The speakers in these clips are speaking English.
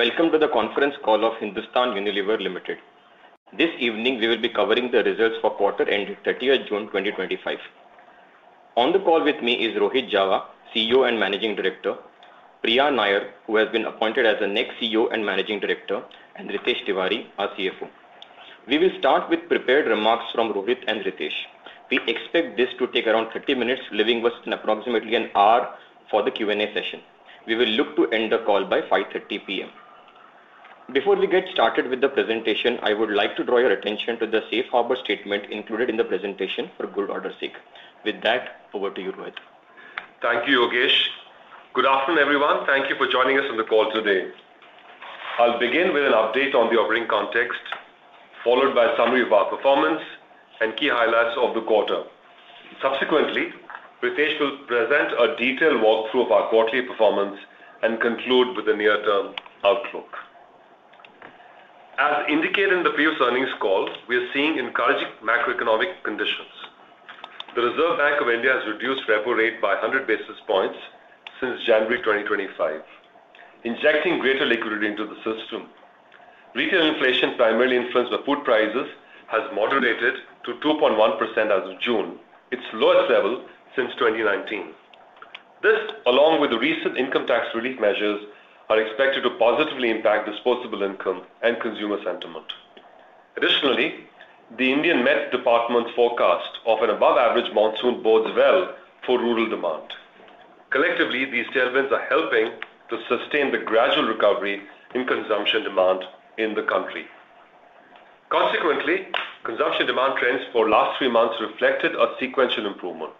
Welcome to the conference call of Hindustan Unilever Limited. This evening, we will be covering the results for quarter ended 30th June 2025. On the call with me is Rohit Jawa, CEO and Managing Director; Priya Nair, who has been appointed as the next CEO and Managing Director; and Ritesh Tiwari, our CFO. We will start with prepared remarks from Rohit and Ritesh. We expect this to take around 30 minutes, leaving us approximately an hour for the Q&A session. We will look to end the call by 5:30 P.M. Before we get started with the presentation, I would like to draw your attention to the Safe Harbor Statement included in the presentation for good order's sake. With that, over to you, Rohit. Thank you, Yogesh. Good afternoon, everyone. Thank you for joining us on the call today. I'll begin with an update on the operating context, followed by a summary of our performance and key highlights of the quarter. Subsequently, Ritesh will present a detailed walkthrough of our quarterly performance and conclude with a near-term outlook. As indicated in the previous earnings call, we are seeing encouraging macroeconomic conditions. The Reserve Bank of India has reduced repo rate by 100 basis points since January 2025, injecting greater liquidity into the system. Retail inflation, primarily influenced by food prices, has moderated to 2.1% as of June, its lowest level since 2019. This, along with the recent income tax relief measures, are expected to positively impact disposable income and consumer sentiment. Additionally, the Indian Met Department's forecast of an above-average monsoon bodes well for rural demand. Collectively, these tailwinds are helping to sustain the gradual recovery in consumption demand in the country. Consequently, consumption demand trends for the last three months reflected a sequential improvement.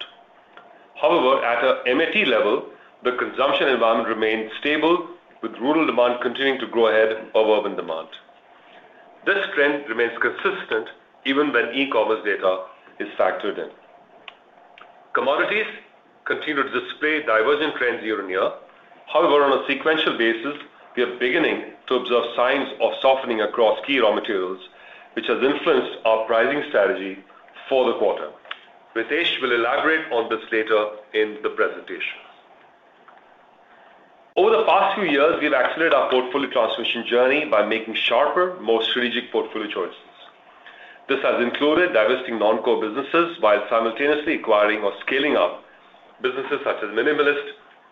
However, at an MAT level, the consumption environment remained stable, with rural demand continuing to grow ahead of urban demand. This trend remains consistent even when e-commerce data is factored in. Commodities continue to display divergent trends year on year. However, on a sequential basis, we are beginning to observe signs of softening across key raw materials, which has influenced our pricing strategy for the quarter. Ritesh will elaborate on this later in the presentation. Over the past few years, we have accelerated our portfolio transition journey by making sharper, more strategic portfolio choices. This has included divesting non-core businesses while simultaneously acquiring or scaling up businesses such as Minimalist,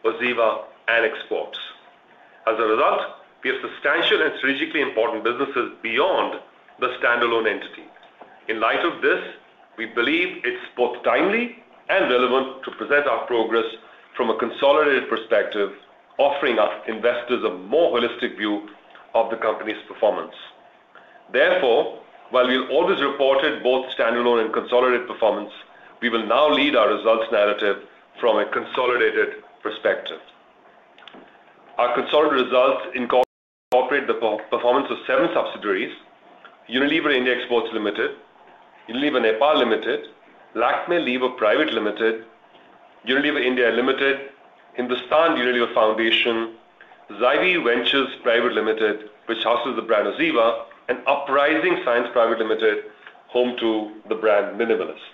OZiva, and Exports. As a result, we have substantial and strategically important businesses beyond the standalone entity. In light of this, we believe it's both timely and relevant to present our progress from a consolidated perspective, offering our investors a more holistic view of the company's performance. Therefore, while we have always reported both standalone and consolidated performance, we will now lead our results narrative from a consolidated perspective. Our consolidated results incorporate the performance of seven subsidiaries: Unilever India Exports Limited, Unilever Nepal Limited, Lakmé Lever Private Limited, Unilever India Limited, Hindustan Unilever Foundation, Zywie Ventures Private Limited, which houses the brand OZiva, and Uprising Science Private Limited, home to the brand Minimalist.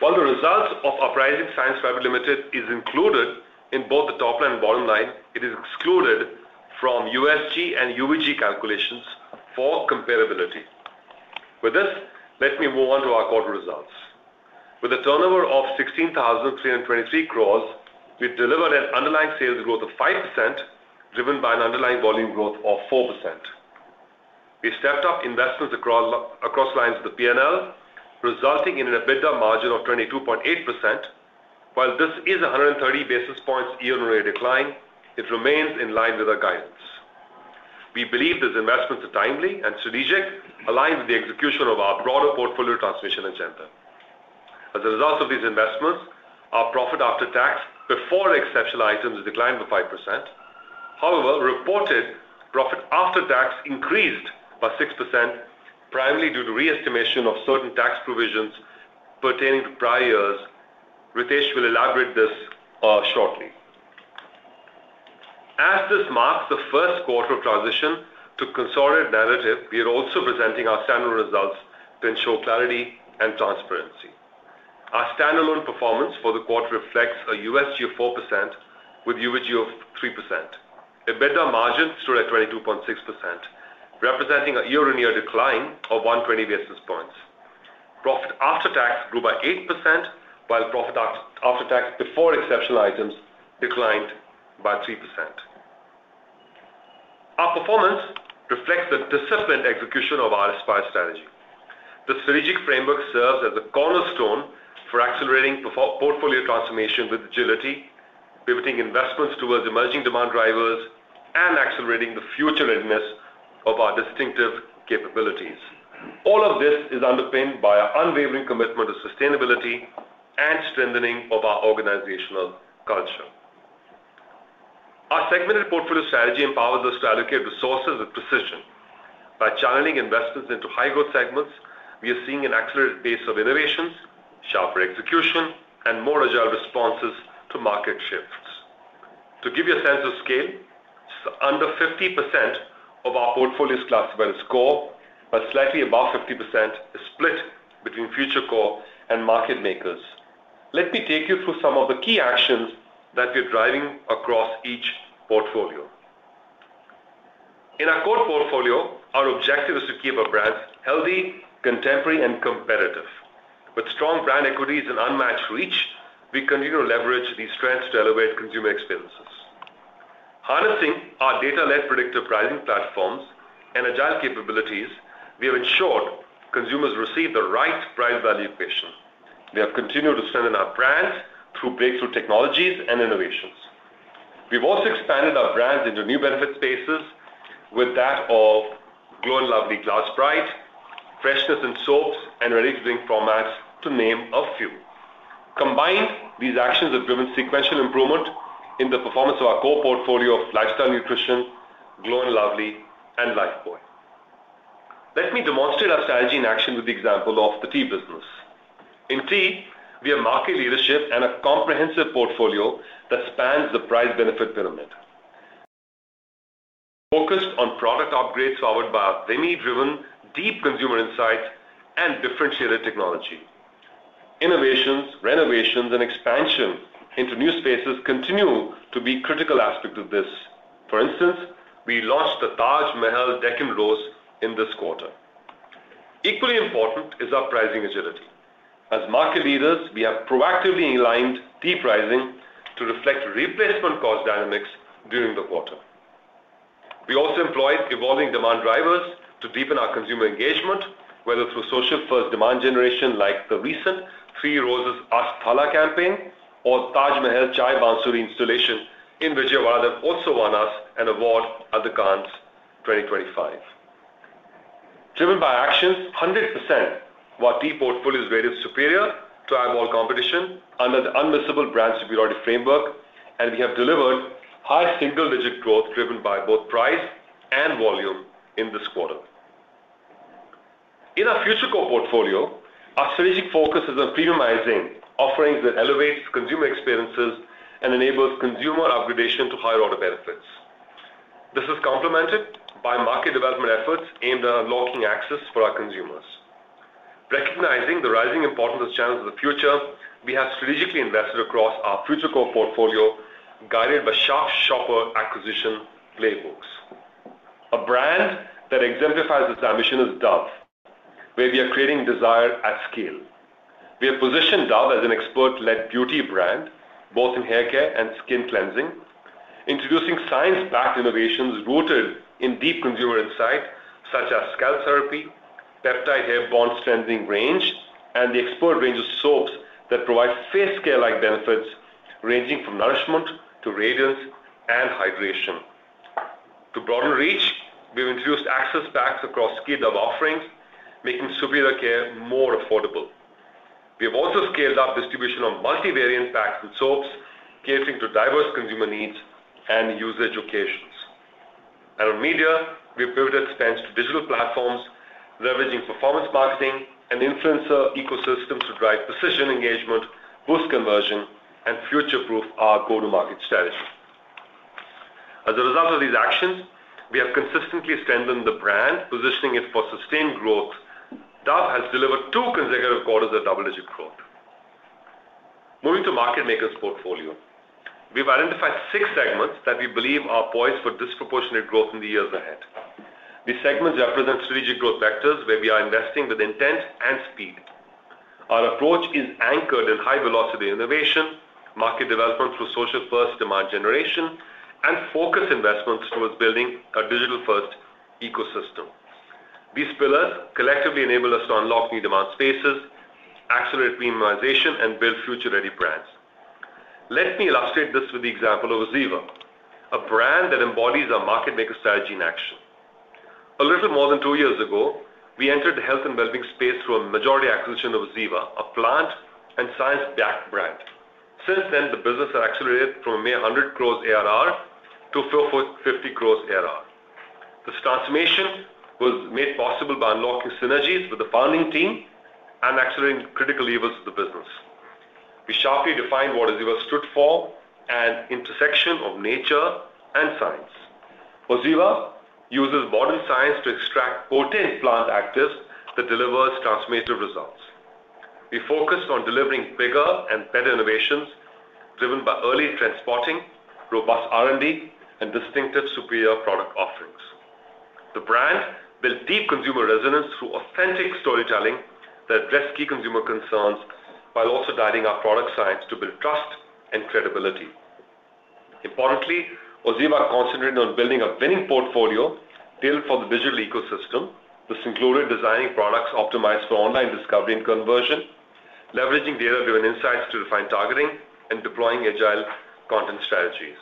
While the results of Uprising Science Private Limited are included in both the top line and bottom line, it is excluded from USG and UVG calculations for comparability. With this, let me move on to our quarter results. With a turnover of 16,323 crore, we delivered an underlying sales growth of 5%, driven by an underlying volume growth of 4%. We stepped up investments across lines of the P&L, resulting in an EBITDA margin of 22.8%. While this is a 130 basis points year-on-year decline, it remains in line with our guidance. We believe these investments are timely and strategic, aligned with the execution of our broader portfolio transformation agenda. As a result of these investments, our profit after tax before exceptional items declined by 5%. However, reported profit after tax increased by 6%, primarily due to re-estimation of certain tax provisions pertaining to prior years. Ritesh will elaborate this shortly. As this marks the first quarter of transition to a consolidated narrative, we are also presenting our standalone results to ensure clarity and transparency. Our standalone performance for the quarter reflects a USG of 4% with UVG of 3%. EBITDA margin stood at 22.6%, representing a year-on-year decline of 120 basis points. Profit after tax grew by 8%, while profit after tax before exceptional items declined by 3%. Our performance reflects the disciplined execution of our Aspire strategy. The strategic framework serves as a cornerstone for accelerating portfolio transformation with agility, pivoting investments towards emerging demand drivers, and accelerating the future readiness of our distinctive capabilities. All of this is underpinned by our unwavering commitment to sustainability and strengthening of our organizational culture. Our segmented portfolio strategy empowers us to allocate resources with precision. By channeling investments into high-growth segments, we are seeing an accelerated pace of innovations, sharper execution, and more agile responses to market shifts. To give you a sense of scale, just under 50% of our portfolio is classified as core, while slightly above 50% is split between future core and market makers. Let me take you through some of the key actions that we are driving across each portfolio. In our core portfolio, our objective is to keep our brands healthy, contemporary, and competitive. With strong brand equities and unmatched reach, we continue to leverage these strengths to elevate consumer experiences. Harnessing our data-led predictive pricing platforms and agile capabilities, we have ensured consumers receive the right price-value equation. We have continued to strengthen our brands through breakthrough technologies and innovations. We've also expanded our brands into new benefit spaces with that of Glow & Lovely Glass Brite, Freshness & Soaps, and Ready to Drink formats, to name a few. Combined, these actions have driven sequential improvement in the performance of our core portfolio of lifestyle nutrition, Glow & Lovely, and Lifebuoy. Let me demonstrate our strategy in action with the example of the Tea business. In Tea, we have market leadership and a comprehensive portfolio that spans the price-benefit pyramid. Focused on product upgrades powered by our VME-driven deep consumer insight and differentiated technology. Innovations, renovations, and expansion into new spaces continue to be critical aspects of this. For instance, we launched the Taj Mahal Deccan Rose in this quarter. Equally important is our pricing agility. As market leaders, we have proactively aligned Tea pricing to reflect replacement cost dynamics during the quarter. We also employed evolving demand drivers to deepen our consumer engagement, whether through social-first demand generation like the recent Three Roses Ashtala campaign or the Taj Mahal Chai Bansuri Installation in Vijayawada, which also won us an award at the Cannes 2025. Driven by actions, 100% of our Tea portfolio is rated superior to our eyeball competition under the unmissable brand superiority framework, and we have delivered high single-digit growth driven by both price and volume in this quarter. In our future core portfolio, our strategic focus is on premiumizing offerings that elevate consumer experiences and enable consumer upgradation to higher-order benefits. This is complemented by market development efforts aimed at unlocking access for our consumers. Recognizing the rising importance of channels of the future, we have strategically invested across our future core portfolio, guided by sharp shopper acquisition playbooks. A brand that exemplifies this ambition is Dove, where we are creating desire at scale. We have positioned Dove as an expert-led beauty brand, both in Hair Care and skin cleansing, introducing science-backed innovations rooted in deep consumer insight, such as scalp therapy, peptide hair bond strengthening range, and the expert range of soaps that provide face care-like benefits ranging from nourishment to radiance and hydration. To broaden reach, we have introduced access packs across key Dove offerings, making superior care more affordable. We have also scaled up distribution of multi-variant packs and soaps, catering to diverse consumer needs and usage occasions. On media, we have pivoted spends to digital platforms, leveraging performance marketing and influencer ecosystems to drive precision engagement, boost conversion, and future-proof our go-to-market strategy. As a result of these actions, we have consistently strengthened the brand, positioning it for sustained growth. Dove has delivered two consecutive quarters of double-digit growth. Moving to market makers' portfolio, we've identified six segments that we believe are poised for disproportionate growth in the years ahead. These segments represent strategic growth vectors where we are investing with intent and speed. Our approach is anchored in high-velocity innovation, market development through social-first demand generation, and focused investments towards building a digital-first ecosystem. These pillars collectively enable us to unlock new demand spaces, accelerate premiumization, and build future-ready brands. Let me illustrate this with the example of OZiva, a brand that embodies our market maker strategy in action. A little more than two years ago, we entered the health and wellbeing space through a majority acquisition of OZiva, a plant and science-backed brand. Since then, the business has accelerated from a mere 100 crore ARR to 4.50 crore ARR. This transformation was made possible by unlocking synergies with the founding team and accelerating critical levers of the business. We sharply defined what OZiva stood for: an intersection of nature and science. OZiva uses modern science to extract potent plant actives that deliver transformative results. We focused on delivering bigger and better innovations driven by early transporting, robust R&D, and distinctive superior product offerings. The brand built deep consumer resonance through authentic storytelling that addressed key consumer concerns while also guiding our product science to build trust and credibility. Importantly, OZiva concentrated on building a winning portfolio built for the digital ecosystem. This included designing products optimized for online discovery and conversion, leveraging data-driven insights to refine targeting, and deploying agile content strategies.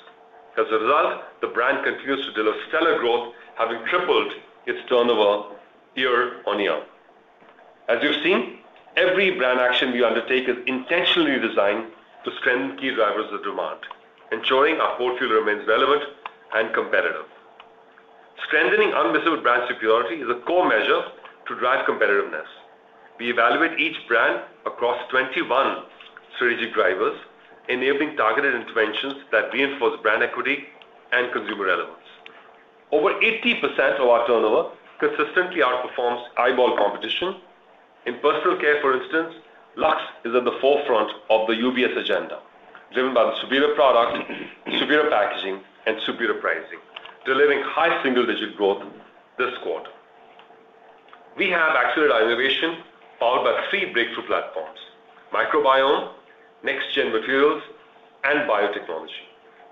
As a result, the brand continues to deliver stellar growth, having tripled its turnover year on year. As you've seen, every brand action we undertake is intentionally designed to strengthen key drivers of demand, ensuring our portfolio remains relevant and competitive. Strengthening unmissable brand superiority is a core measure to drive competitiveness. We evaluate each brand across 21 strategic drivers, enabling targeted interventions that reinforce brand equity and consumer relevance. Over 80% of our turnover consistently outperforms eyeball competition. In personal care, for instance, Lux is at the forefront of the UBS agenda, driven by the superior product, superior packaging, and superior pricing, delivering high single-digit growth this quarter. We have accelerated our innovation powered by three breakthrough platforms: microbiome, next-gen materials, and biotechnology,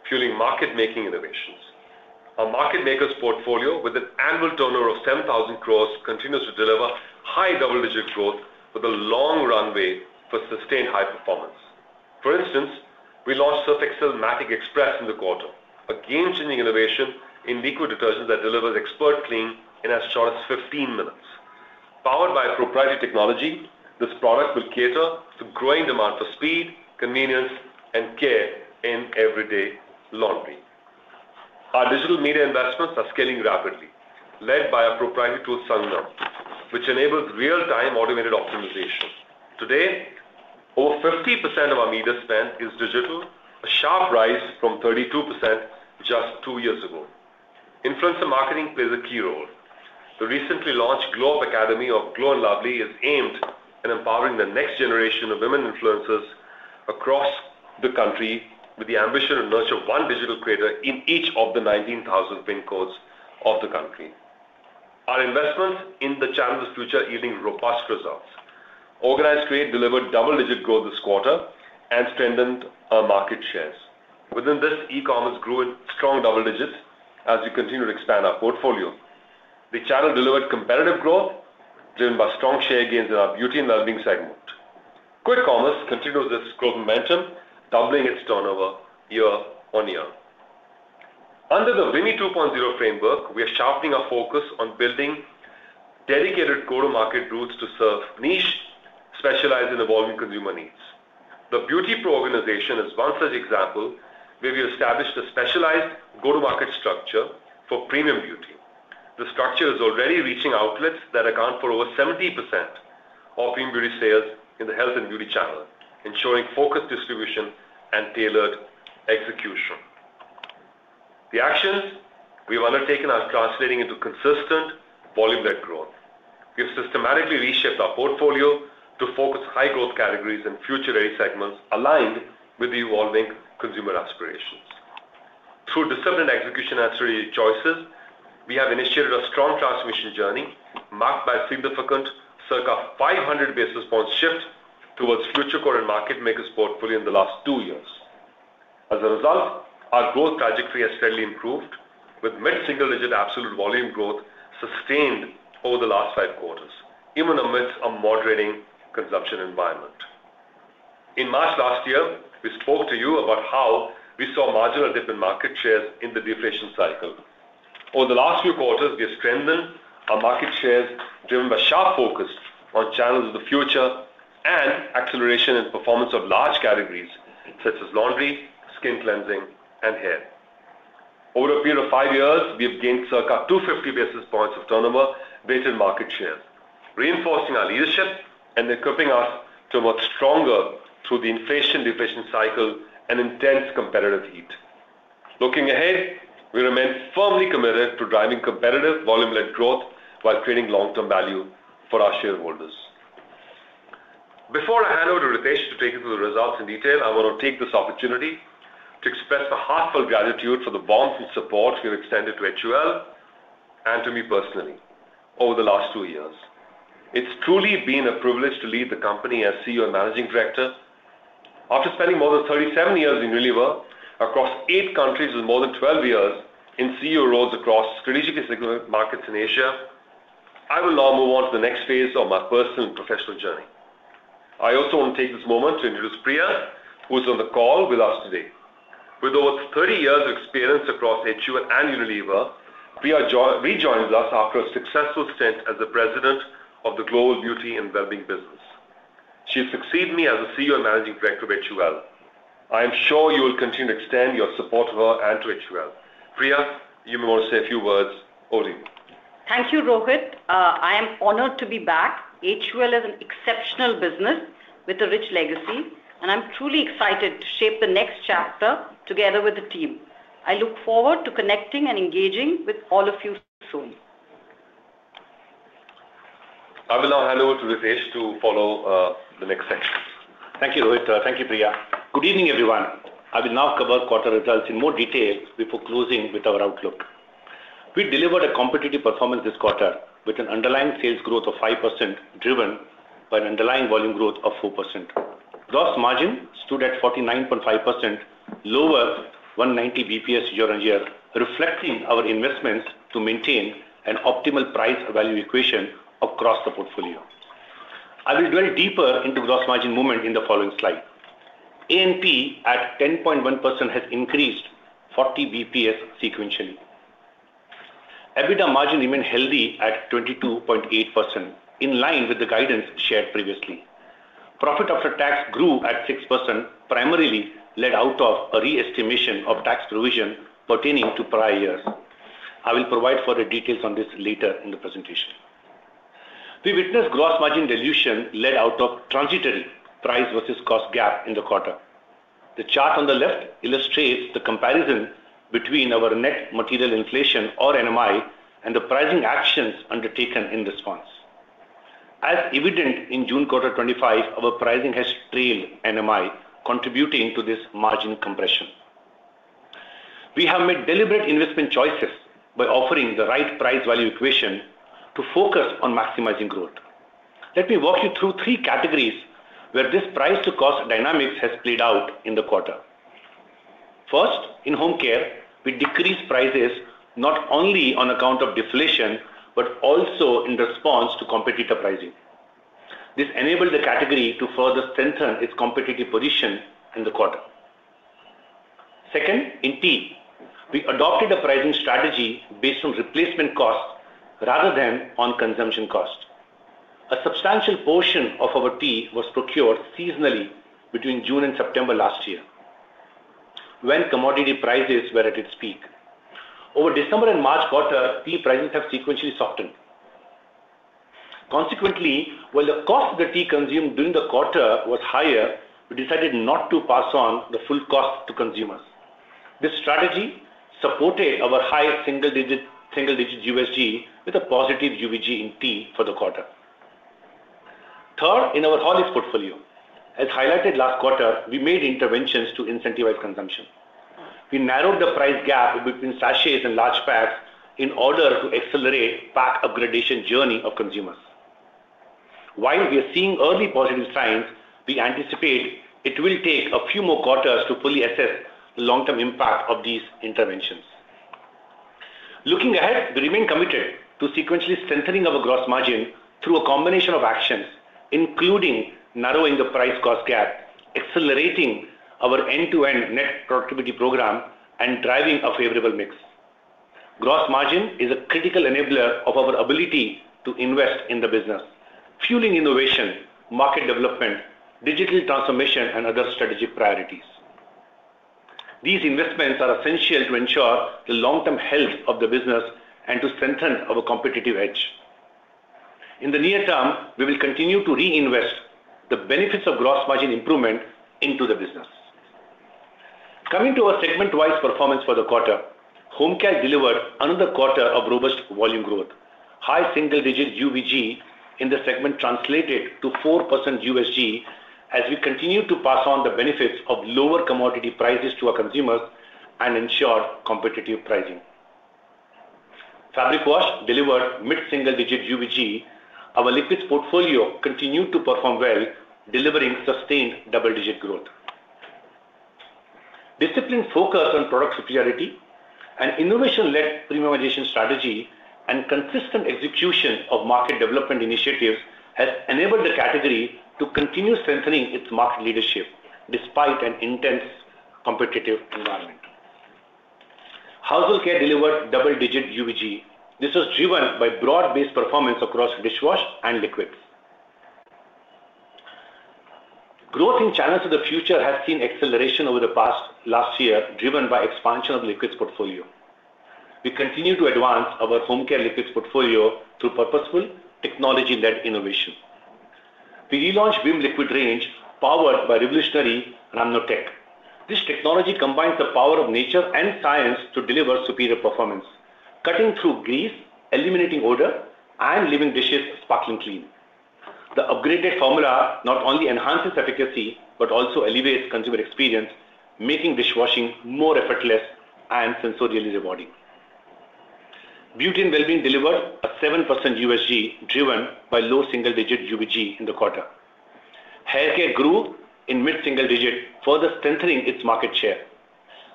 fueling market-making innovations. Our market makers' portfolio, with an annual turnover of 10,000 crore, continues to deliver high double-digit growth with a long runway for sustained high performance. For instance, we launched Surf Excel Matic Express in the quarter, a game-changing innovation in liquid detergent that delivers expert cleaning in as short as 15 minutes. Powered by proprietary technology, this product will cater to growing demand for speed, convenience, and care in everyday laundry. Our digital media investments are scaling rapidly, led by our proprietary tool, Sangam, which enables real-time automated optimization. Today, over 50% of our media spend is digital, a sharp rise from 32% just two years ago. Influencer marketing plays a key role. The recently launched Glow Up Academy of Glow & Lovely is aimed at empowering the next generation of women influencers across the country with the ambition to nurture one digital creator in each of the 19,000 PIN codes of the country. Our investments in the channel of the future are yielding robust results. Organized trade delivered double-digit growth this quarter and strengthened our market shares. Within this, e-commerce grew in strong double digits as we continued to expand our portfolio. The channel delivered competitive growth driven by strong share gains in our Beauty and Wellbeing segment. Quick Commerce continues this growth momentum, doubling its turnover year on year. Under the VME 2.0 framework, we are sharpening our focus on building dedicated go-to-market routes to serve niche, specialized, and evolving consumer needs. The Beauty Pro Organization is one such example where we established a specialized go-to-market structure for premium beauty. The structure is already reaching outlets that account for over 70% of premium beauty sales in the health and beauty channel, ensuring focused distribution and tailored execution. The actions we have undertaken are translating into consistent volume-led growth. We have systematically reshaped our portfolio to focus high-growth categories and future-ready segments aligned with the evolving consumer aspirations. Through disciplined execution and strategic choices, we have initiated a strong transformation journey marked by a significant circa 500 basis points shift towards future core and market makers' portfolio in the last two years. As a result, our growth trajectory has steadily improved, with mid-single-digit absolute volume growth sustained over the last five quarters, even amidst a moderating consumption environment. In March last year, we spoke to you about how we saw marginal dip in market shares in the deflation cycle. Over the last few quarters, we have strengthened our market shares driven by sharp focus on channels of the future and acceleration in performance of large categories such as laundry, skin cleansing, and hair. Over a period of five years, we have gained circa 250 basis points of turnover-rated market shares, reinforcing our leadership and equipping us to work stronger through the inflation-deflation cycle and intense competitive heat. Looking ahead, we remain firmly committed to driving competitive volume-led growth while creating long-term value for our shareholders. Before I hand over to Ritesh to take you through the results in detail, I want to take this opportunity to express my heartfelt gratitude for the bonds and support you have extended to HUL and to me personally over the last two years. It's truly been a privilege to lead the company as CEO and Managing Director. After spending more than 37 years in Unilever across eight countries with more than 12 years in CEO roles across strategically significant markets in Asia, I will now move on to the next phase of my personal and professional journey. I also want to take this moment to introduce Priya, who is on the call with us today. With over 30 years of experience across HUL and Unilever, Priya rejoined us after a successful stint as the President of the global beauty and wellbeing business. She succeeded me as the CEO and Managing Director of HUL. I am sure you will continue to extend your support to her and to HUL. Priya, you may want to say a few words only. Thank you, Rohit. I am honored to be back. HUL is an exceptional business with a rich legacy, and I'm truly excited to shape the next chapter together with the team. I look forward to connecting and engaging with all of you soon. I will now hand over to Ritesh to follow the next section. Thank you, Rohit. Thank you, Priya. Good evening, everyone. I will now cover quarter results in more detail before closing with our outlook. We delivered a competitive performance this quarter with an underlying sales growth of 5% driven by an underlying volume growth of 4%. Gross margin stood at 49.5%, lower 190 bps year-on-year, reflecting our investments to maintain an optimal price-value equation across the portfolio. I will delve deeper into gross margin movement in the following slide. A&P at 10.1% has increased 40 bps sequentially. EBITDA margin remained healthy at 22.8%, in line with the guidance shared previously. Profit after tax grew at 6%, primarily led out of a re-estimation of tax provision pertaining to prior years. I will provide further details on this later in the presentation. We witnessed gross margin dilution led out of transitory price versus cost gap in the quarter. The chart on the left illustrates the comparison between our net material inflation, or NMI, and the pricing actions undertaken in response. As evident in June quarter 2025, our pricing has trailed NMI, contributing to this margin compression. We have made deliberate investment choices by offering the right price-value equation to focus on maximizing growth. Let me walk you through three categories where this price-to-cost dynamics has played out in the quarter. First, in Home Care, we decreased prices not only on account of deflation but also in response to competitor pricing. This enabled the category to further strengthen its competitive position in the quarter. Second, in Tea, we adopted a pricing strategy based on replacement cost rather than on consumption cost. A substantial portion of our Tea was procured seasonally between June and September last year, when commodity prices were at their peak. Over December and March quarter, Tea prices have sequentially softened. Consequently, while the cost of the Tea consumed during the quarter was higher, we decided not to pass on the full cost to consumers. This strategy supported our high single-digit USG with a positive UVG in Tea for the quarter. Third, in our whole portfolio, as highlighted last quarter, we made interventions to incentivize consumption. We narrowed the price gap between sachets and large packs in order to accelerate the pack upgradation journey of consumers. While we are seeing early positive signs, we anticipate it will take a few more quarters to fully assess the long-term impact of these interventions. Looking ahead, we remain committed to sequentially strengthening our gross margin through a combination of actions, including narrowing the price-cost gap, accelerating our end-to-end net productivity program, and driving a favorable mix. Gross margin is a critical enabler of our ability to invest in the business, fueling innovation, market development, digital transformation, and other strategic priorities. These investments are essential to ensure the long-term health of the business and to strengthen our competitive edge. In the near term, we will continue to reinvest the benefits of gross margin improvement into the business. Coming to our segment-wise performance for the quarter, Home Care delivered another quarter of robust volume growth. High single-digit UVG in the segment translated to 4% USG as we continue to pass on the benefits of lower commodity prices to our consumers and ensured competitive pricing. Fabric Wash delivered mid-single-digit UVG. Our liquids portfolio continued to perform well, delivering sustained double-digit growth. Disciplined focus on product superiority, an innovation-led premiumization strategy, and consistent execution of market development initiatives have enabled the category to continue strengthening its market leadership despite an intense competitive environment. Household Care delivered double-digit UVG. This was driven by broad-based performance across dishwashers and liquids. Growth in channels of the future has seen acceleration over the past year, driven by expansion of the liquids portfolio. We continue to advance our Home Care liquids portfolio through purposeful technology-led innovation. We relaunched Vim Liquid Range, powered by revolutionary Ramnotech. This technology combines the power of nature and science to deliver superior performance, cutting through grease, eliminating odor, and leaving dishes sparkling clean. The upgraded formula not only enhances efficacy but also elevates consumer experience, making dishwashing more effortless and sensorially rewarding. Beauty and Wellbeing delivered a 7% USG driven by low single-digit UVG in the quarter. Hair Care grew in mid-single-digit, further strengthening its market share.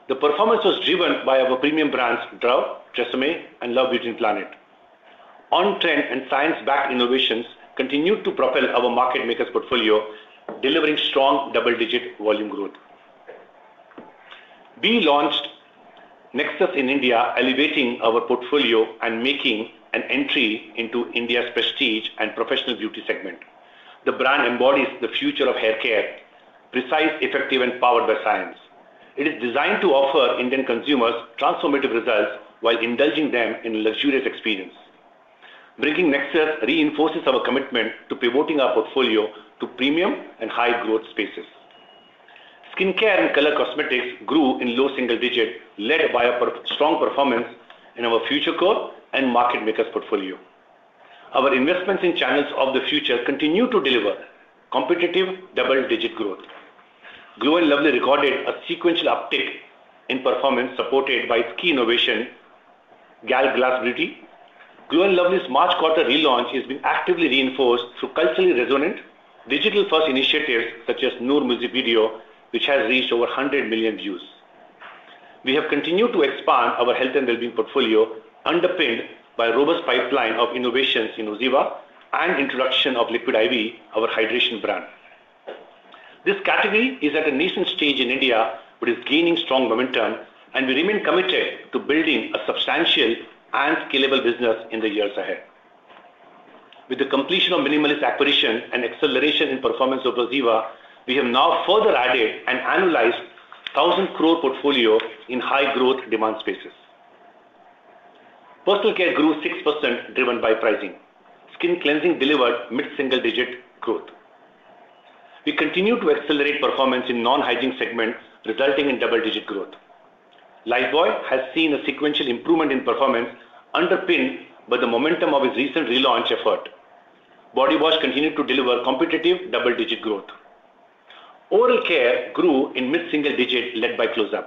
The performance was driven by our premium brands, Dove, Tresemmé, and Love Beauty & Planet. On-trend and science-backed innovations continued to propel our Market Makers' portfolio, delivering strong double-digit volume growth. We launched Nexxus in India, elevating our portfolio and making an entry into India's prestige and professional beauty segment. The brand embodies the future of Hair Care: precise, effective, and powered by science. It is designed to offer Indian consumers transformative results while indulging them in a luxurious experience. Bringing Nexxus reinforces our commitment to pivoting our portfolio to premium and high-growth spaces. Skincare and color cosmetics grew in low single-digit, led by our strong performance in our Future Core and Market Makers' portfolio. Our investments in channels of the future continue to deliver competitive double-digit growth. Glow & Lovely recorded a sequential uptick in performance supported by its key innovation, GAL Glass Beauty. Glow & Lovely's March quarter relaunch has been actively reinforced through culturally resonant digital-first initiatives such as Noor Music Video, which has reached over 100 million views. We have continued to expand our Health and Wellbeing portfolio, underpinned by a robust pipeline of innovations in OZiva and the introduction of Liquid I.V., our hydration brand. This category is at a nascent stage in India, but is gaining strong momentum, and we remain committed to building a substantial and scalable business in the years ahead. With the completion of Minimalist acquisition and acceleration in performance of OZiva, we have now further added and analyzed a 1,000 crore portfolio in high-growth demand spaces. Personal Care grew 6%, driven by pricing. Skin Cleansing delivered mid-single-digit growth. We continue to accelerate performance in the non-hygiene segment, resulting in double-digit growth. Lifebuoy has seen a sequential improvement in performance, underpinned by the momentum of its recent relaunch effort. Body Wash continued to deliver competitive double-digit growth. Oral Care grew in mid-single-digit, led by Closeup.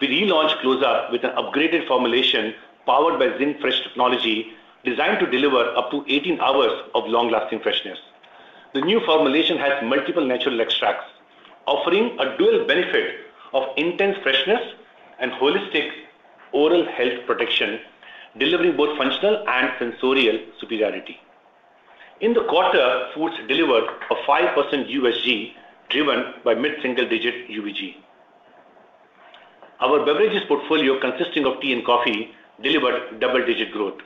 We relaunched Closeup with an upgraded formulation powered by Zinc Fresh technology, designed to deliver up to 18 hours of long-lasting freshness. The new formulation has multiple natural extracts, offering a dual benefit of intense freshness and holistic oral health protection, delivering both functional and sensorial superiority. In the quarter, Foods delivered a 5% USG, driven by mid-single-digit UVG. Our Beverages portfolio, consisting of Tea and Coffee, delivered double-digit growth.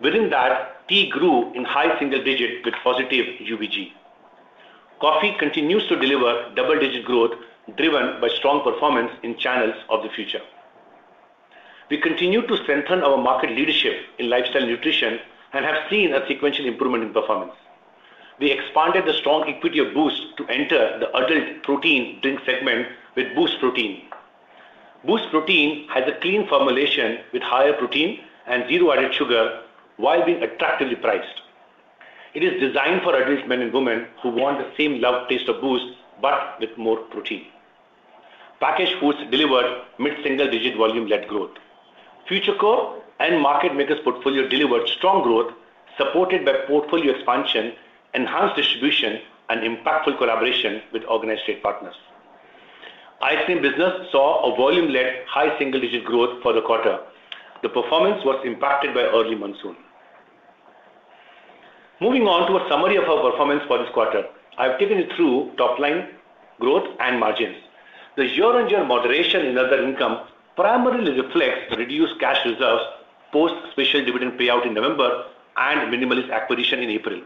Within that, Tea grew in high single-digit with positive UVG. Coffee continues to deliver double-digit growth, driven by strong performance in channels of the future. We continue to strengthen our market leadership in Lifestyle Nutrition and have seen a sequential improvement in performance. We expanded the strong liquidity of Boost to enter the adult protein drink segment with Boost Protein. Boost Protein has a clean formulation with higher protein and zero added sugar while being attractively priced. It is designed for adult men and women who want the same loved taste of Boost but with more protein. Packaged Foods delivered mid-single-digit volume-led growth. Future Core and Market Makers' portfolio delivered strong growth, supported by portfolio expansion, enhanced distribution, and impactful collaboration with organized trade partners. Ice Cream business saw a volume-led high single-digit growth for the quarter. The performance was impacted by early monsoon. Moving on to a summary of our performance for this quarter, I have taken you through top-line growth and margins. The year-on-year moderation in other income primarily reflects the reduced cash reserves post special dividend payout in November and Minimalist acquisition in April.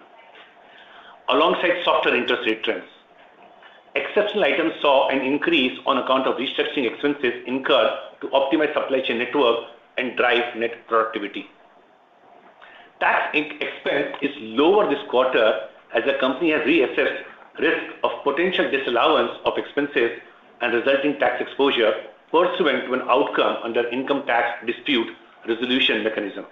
Alongside softer interest rate trends, exceptional items saw an increase on account of restructuring expenses incurred to optimize supply chain network and drive net productivity. Tax expense is lower this quarter as the company has reassessed the risk of potential disallowance of expenses and resulting tax exposure, pursuant to an outcome under the income tax dispute resolution mechanism.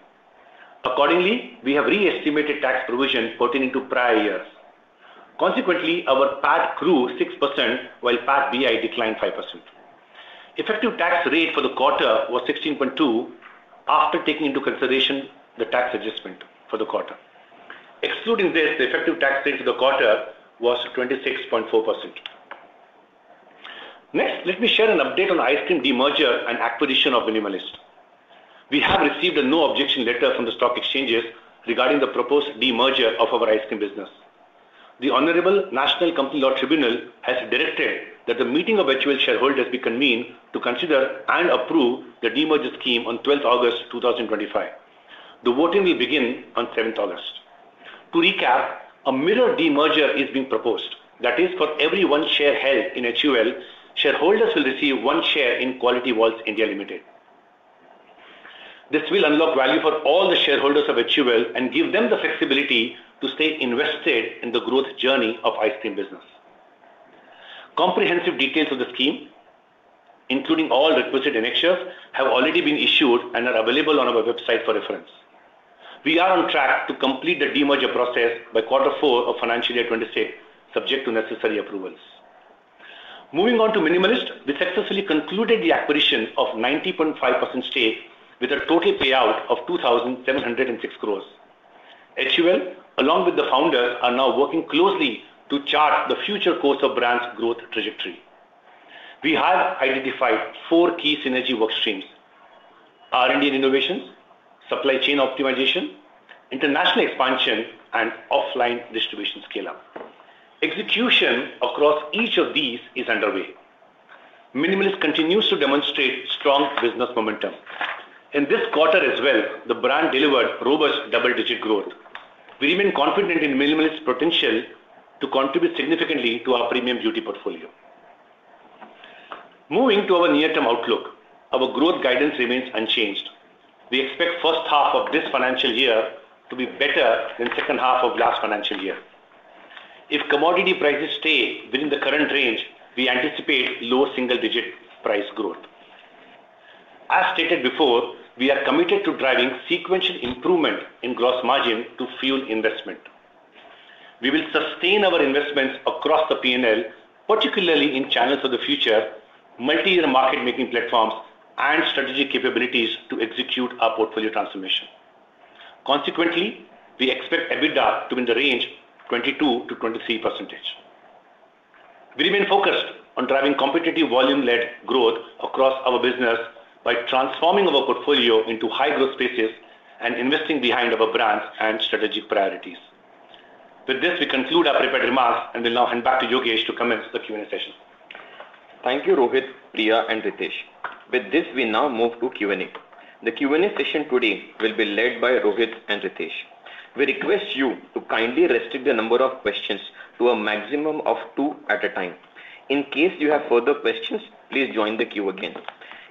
Accordingly, we have re-estimated tax provision pertaining to prior years. Consequently, our PAT grew 6% while PAT BI declined 5%. Effective tax rate for the quarter was 16.2% after taking into consideration the tax adjustment for the quarter. Excluding this, the effective tax rate for the quarter was 26.4%. Next, let me share an update on Ice Cream demerger and acquisition of Minimalist. We have received a no-objection letter from the stock exchanges regarding the proposed demerger of our ice cream business. The Honorable National Company Law Tribunal has directed that the meeting of HUL shareholders be convened to consider and approve the demerger scheme on 12th August 2025. The voting will begin on 7th August. To recap, a mirror demerger is being proposed. That is, for every one share held in HUL, shareholders will receive one share in Kwality Walls India Limited. This will unlock value for all the shareholders of HUL and give them the flexibility to stay invested in the growth journey of ice cream business. Comprehensive details of the scheme, including all requisite annexures, have already been issued and are available on our website for reference. We are on track to complete the demerger process by quarter four of financial year 2026, subject to necessary approvals. Moving on to Minimalist, we successfully concluded the acquisition of 90.5% stake with a total payout of 2,706 crore. HUL, along with the founders, are now working closely to chart the future course of the brand's growth trajectory. We have identified four key synergy workstreams: R&D and innovations, supply chain optimization, international expansion, and offline distribution scale-up. Execution across each of these is underway. Minimalist continues to demonstrate strong business momentum. In this quarter as well, the brand delivered robust double-digit growth. We remain confident in Minimalist's potential to contribute significantly to our premium beauty portfolio. Moving to our near-term outlook, our growth guidance remains unchanged. We expect the first half of this financial year to be better than the second half of last financial year. If commodity prices stay within the current range, we anticipate low single-digit price growth. As stated before, we are committed to driving sequential improvement in gross margin to fuel investment. We will sustain our investments across the P&L, particularly in channels of the future, multi-year market-making platforms, and strategic capabilities to execute our portfolio transformation. Consequently, we expect EBITDA to be in the range of 22%-23%. We remain focused on driving competitive volume-led growth across our business by transforming our portfolio into high-growth spaces and investing behind our brands and strategic priorities. With this, we conclude our prepared remarks and will now hand back to Yogesh to commence the Q&A session. Thank you, Rohit, Priya, and Ritesh. With this, we now move to Q&A. The Q&A session today will be led by Rohit and Ritesh. We request you to kindly restrict the number of questions to a maximum of two at a time. In case you have further questions, please join the queue again.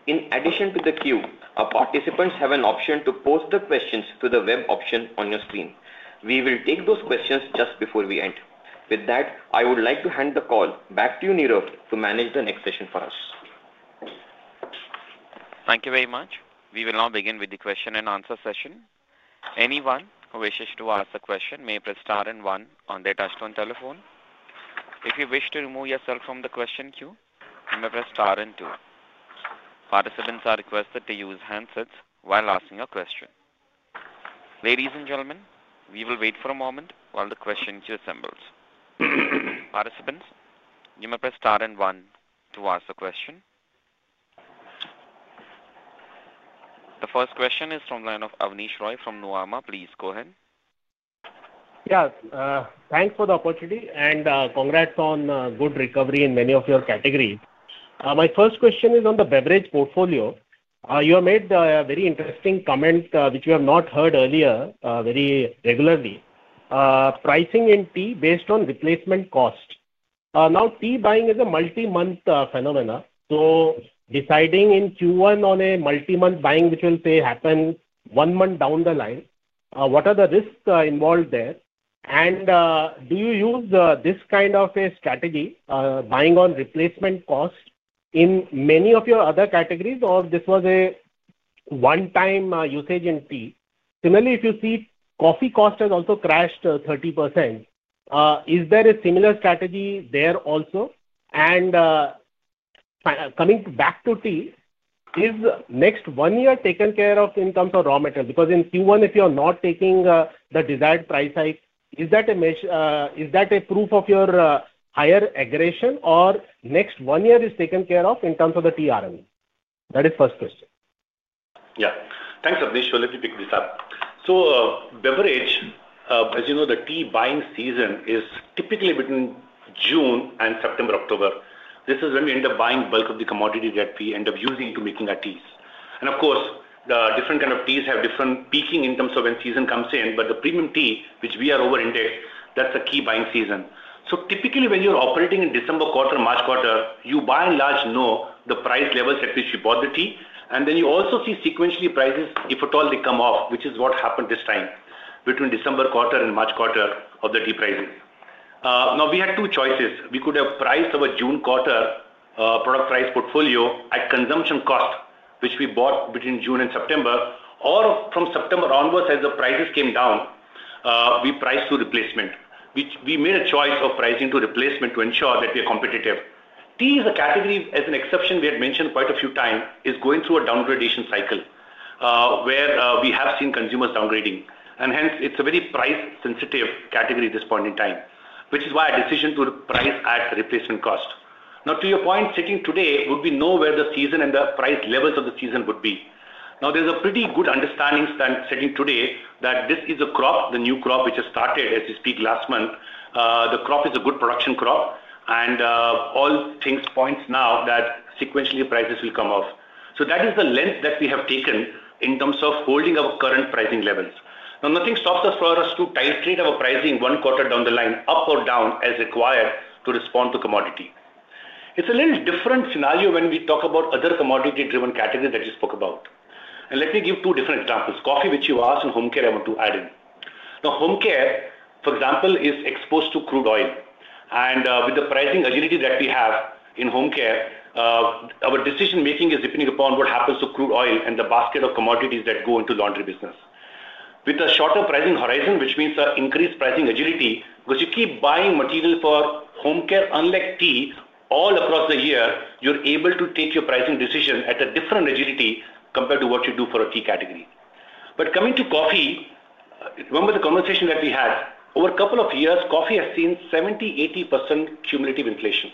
In addition to the queue, our participants have an option to post the questions to the web option on your screen. We will take those questions just before we end. With that, I would like to hand the call back to you, Neerav, to manage the next session for us. Thank you very much. We will now begin with the question-and-answer session. Anyone who wishes to ask a question may press star and one on their touch-tone telephone. If you wish to remove yourself from the question queue, you may press star and two. Participants are requested to use handsets while asking a question. Ladies and gentlemen, we will wait for a moment while the question queue assembles. Participants, you may press star and one to ask a question. The first question is from the line of Abneesh Roy from Nuvama. Please go ahead. Yes. Thanks for the opportunity and congrats on good recovery in many of your categories. My first question is on the beverage portfolio. You have made a very interesting comment which we have not heard earlier, very regularly. Pricing in tea based on replacement cost. Now, tea buying is a multi-month phenomenon. Deciding in Q1 on a multi-month buying, which will say happen one month down the line, what are the risks involved there? Do you use this kind of a strategy, buying on replacement cost in many of your other categories, or this was a. One-time usage in tea? Similarly, if you see coffee cost has also crashed 30%. Is there a similar strategy there also? Coming back to tea, is the next one year taken care of in terms of raw material? Because in Q1, if you are not taking the desired price hike, is that a proof of your higher aggregation, or next one year is taken care of in terms of the TRM? That is the first question. Yeah. Thanks, Abneesh. Let me pick this up. Beverage, as you know, the tea buying season is typically between June and September, October. This is when we end up buying bulk of the commodity that we end up using to make our teas. Of course, different kinds of teas have different peaking in terms of when the season comes in. The premium tea, which we are overindexed, that's the key buying season. Typically, when you're operating in December quarter, March quarter, you by and large know the price levels at which you bought the tea. You also see sequentially prices, if at all they come off, which is what happened this time between December quarter and March quarter of the tea prices. We had two choices. We could have priced our June quarter product price portfolio at consumption cost, which we bought between June and September, or from September onwards, as the prices came down. We priced to replacement. We made a choice of pricing to replacement to ensure that we are competitive. Tea, as a category, as an exception we had mentioned quite a few times, is going through a downgradation cycle where we have seen consumers downgrading. Hence, it's a very price-sensitive category at this point in time, which is why our decision to price at replacement cost. To your point, sitting today, we wouldn't know where the season and the price levels of the season would be. There's a pretty good understanding sitting today that this is a crop, the new crop, which has started as we speak last month. The crop is a good production crop, and all things point now that sequentially prices will come off. That is the lens that we have taken in terms of holding our current pricing levels. Nothing stops us for us to titrate our pricing one quarter down the line, up or down, as required to respond to commodity. It's a little different scenario when we talk about other commodity-driven categories that you spoke about. Let me give two different examples. Coffee, which you asked, and home care, I want to add in. Now, Home Care, for example, is exposed to crude oil. With the pricing agility that we have in Home Care, our decision-making is depending upon what happens to crude oil and the basket of commodities that go into the laundry business. With a shorter pricing horizon, which means increased pricing agility because you keep buying material for Home Care, unlike Tea, all across the year, you're able to take your pricing decision at a different agility compared to what you do for a Tea category. Coming to coffee, remember the conversation that we had. Over a couple of years, coffee has seen 70%, 80% cumulative inflation.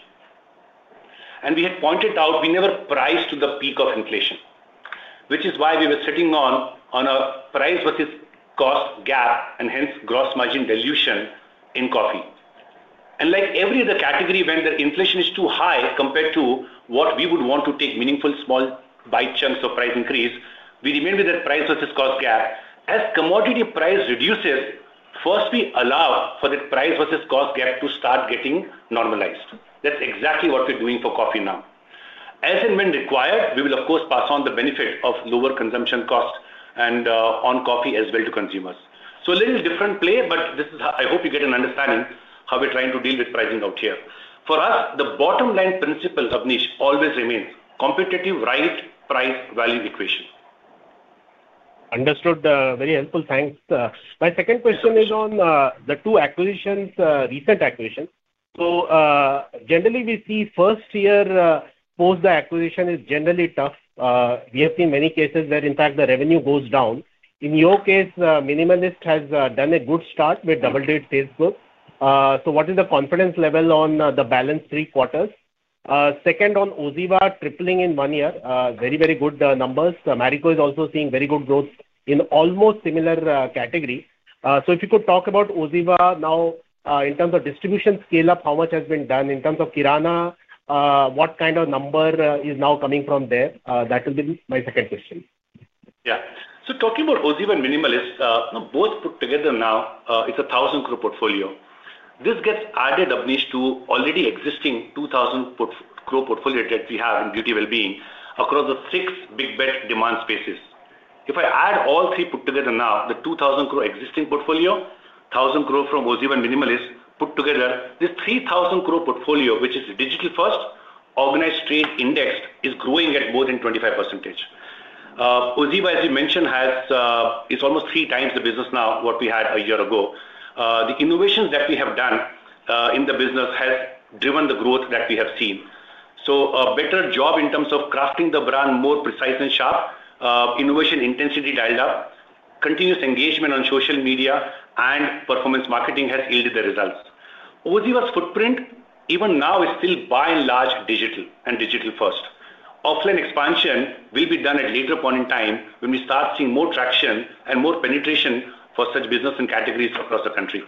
We had pointed out we never priced to the peak of inflation, which is why we were sitting on a price versus cost gap and hence gross margin dilution in coffee. Like every other category, when the inflation is too high compared to what we would want to take meaningful small bite chunks of price increase, we remain with that price versus cost gap. As commodity price reduces, first we allow for that price versus cost gap to start getting normalized. That's exactly what we're doing for coffee now. As and when required, we will, of course, pass on the benefit of lower consumption cost on coffee as well to consumers. A little different play, but I hope you get an understanding of how we're trying to deal with pricing out here. For us, the bottom-line principle, Abneesh, always remains competitive right price value equation. Understood. Very helpful. Thanks. My second question is on the two acquisitions, recent acquisitions. Generally, we see first-year post the acquisition is generally tough. We have seen many cases where, in fact, the revenue goes down. In your case, Minimalist has done a good start with double-digit sales growth. What is the confidence level on the balance three quarters? Second, on OZiva, tripling in one year. Very, very good numbers. Marico is also seeing very good growth in almost similar categories. If you could talk about OZiva now in terms of distribution scale-up, how much has been done in terms of Kirana? What kind of number is now coming from there? That will be my second question. Yeah. Talking about OZiva and Minimalist, both put together now, it's a 1,000 crore portfolio. This gets added, Abneesh, to already existing 2,000 crore portfolio that we have in Beauty Well-being across the six big bet demand spaces. If I add all three put together now, the 2,000 crore existing portfolio, 1,000 crore from OZiva and Minimalist put together, this 3,000 crore portfolio, which is digital-first, organized trade indexed, is growing at more than 25%. OZiva, as you mentioned, is almost three times the business now what we had a year ago. The innovations that we have done in the business have driven the growth that we have seen. A better job in terms of crafting the brand more precise and sharp, innovation intensity dialed up, continuous engagement on social media, and performance marketing has yielded the results. OZiva's footprint, even now, is still by and large digital and digital-first. Offline expansion will be done at a later point in time when we start seeing more traction and more penetration for such business and categories across the country.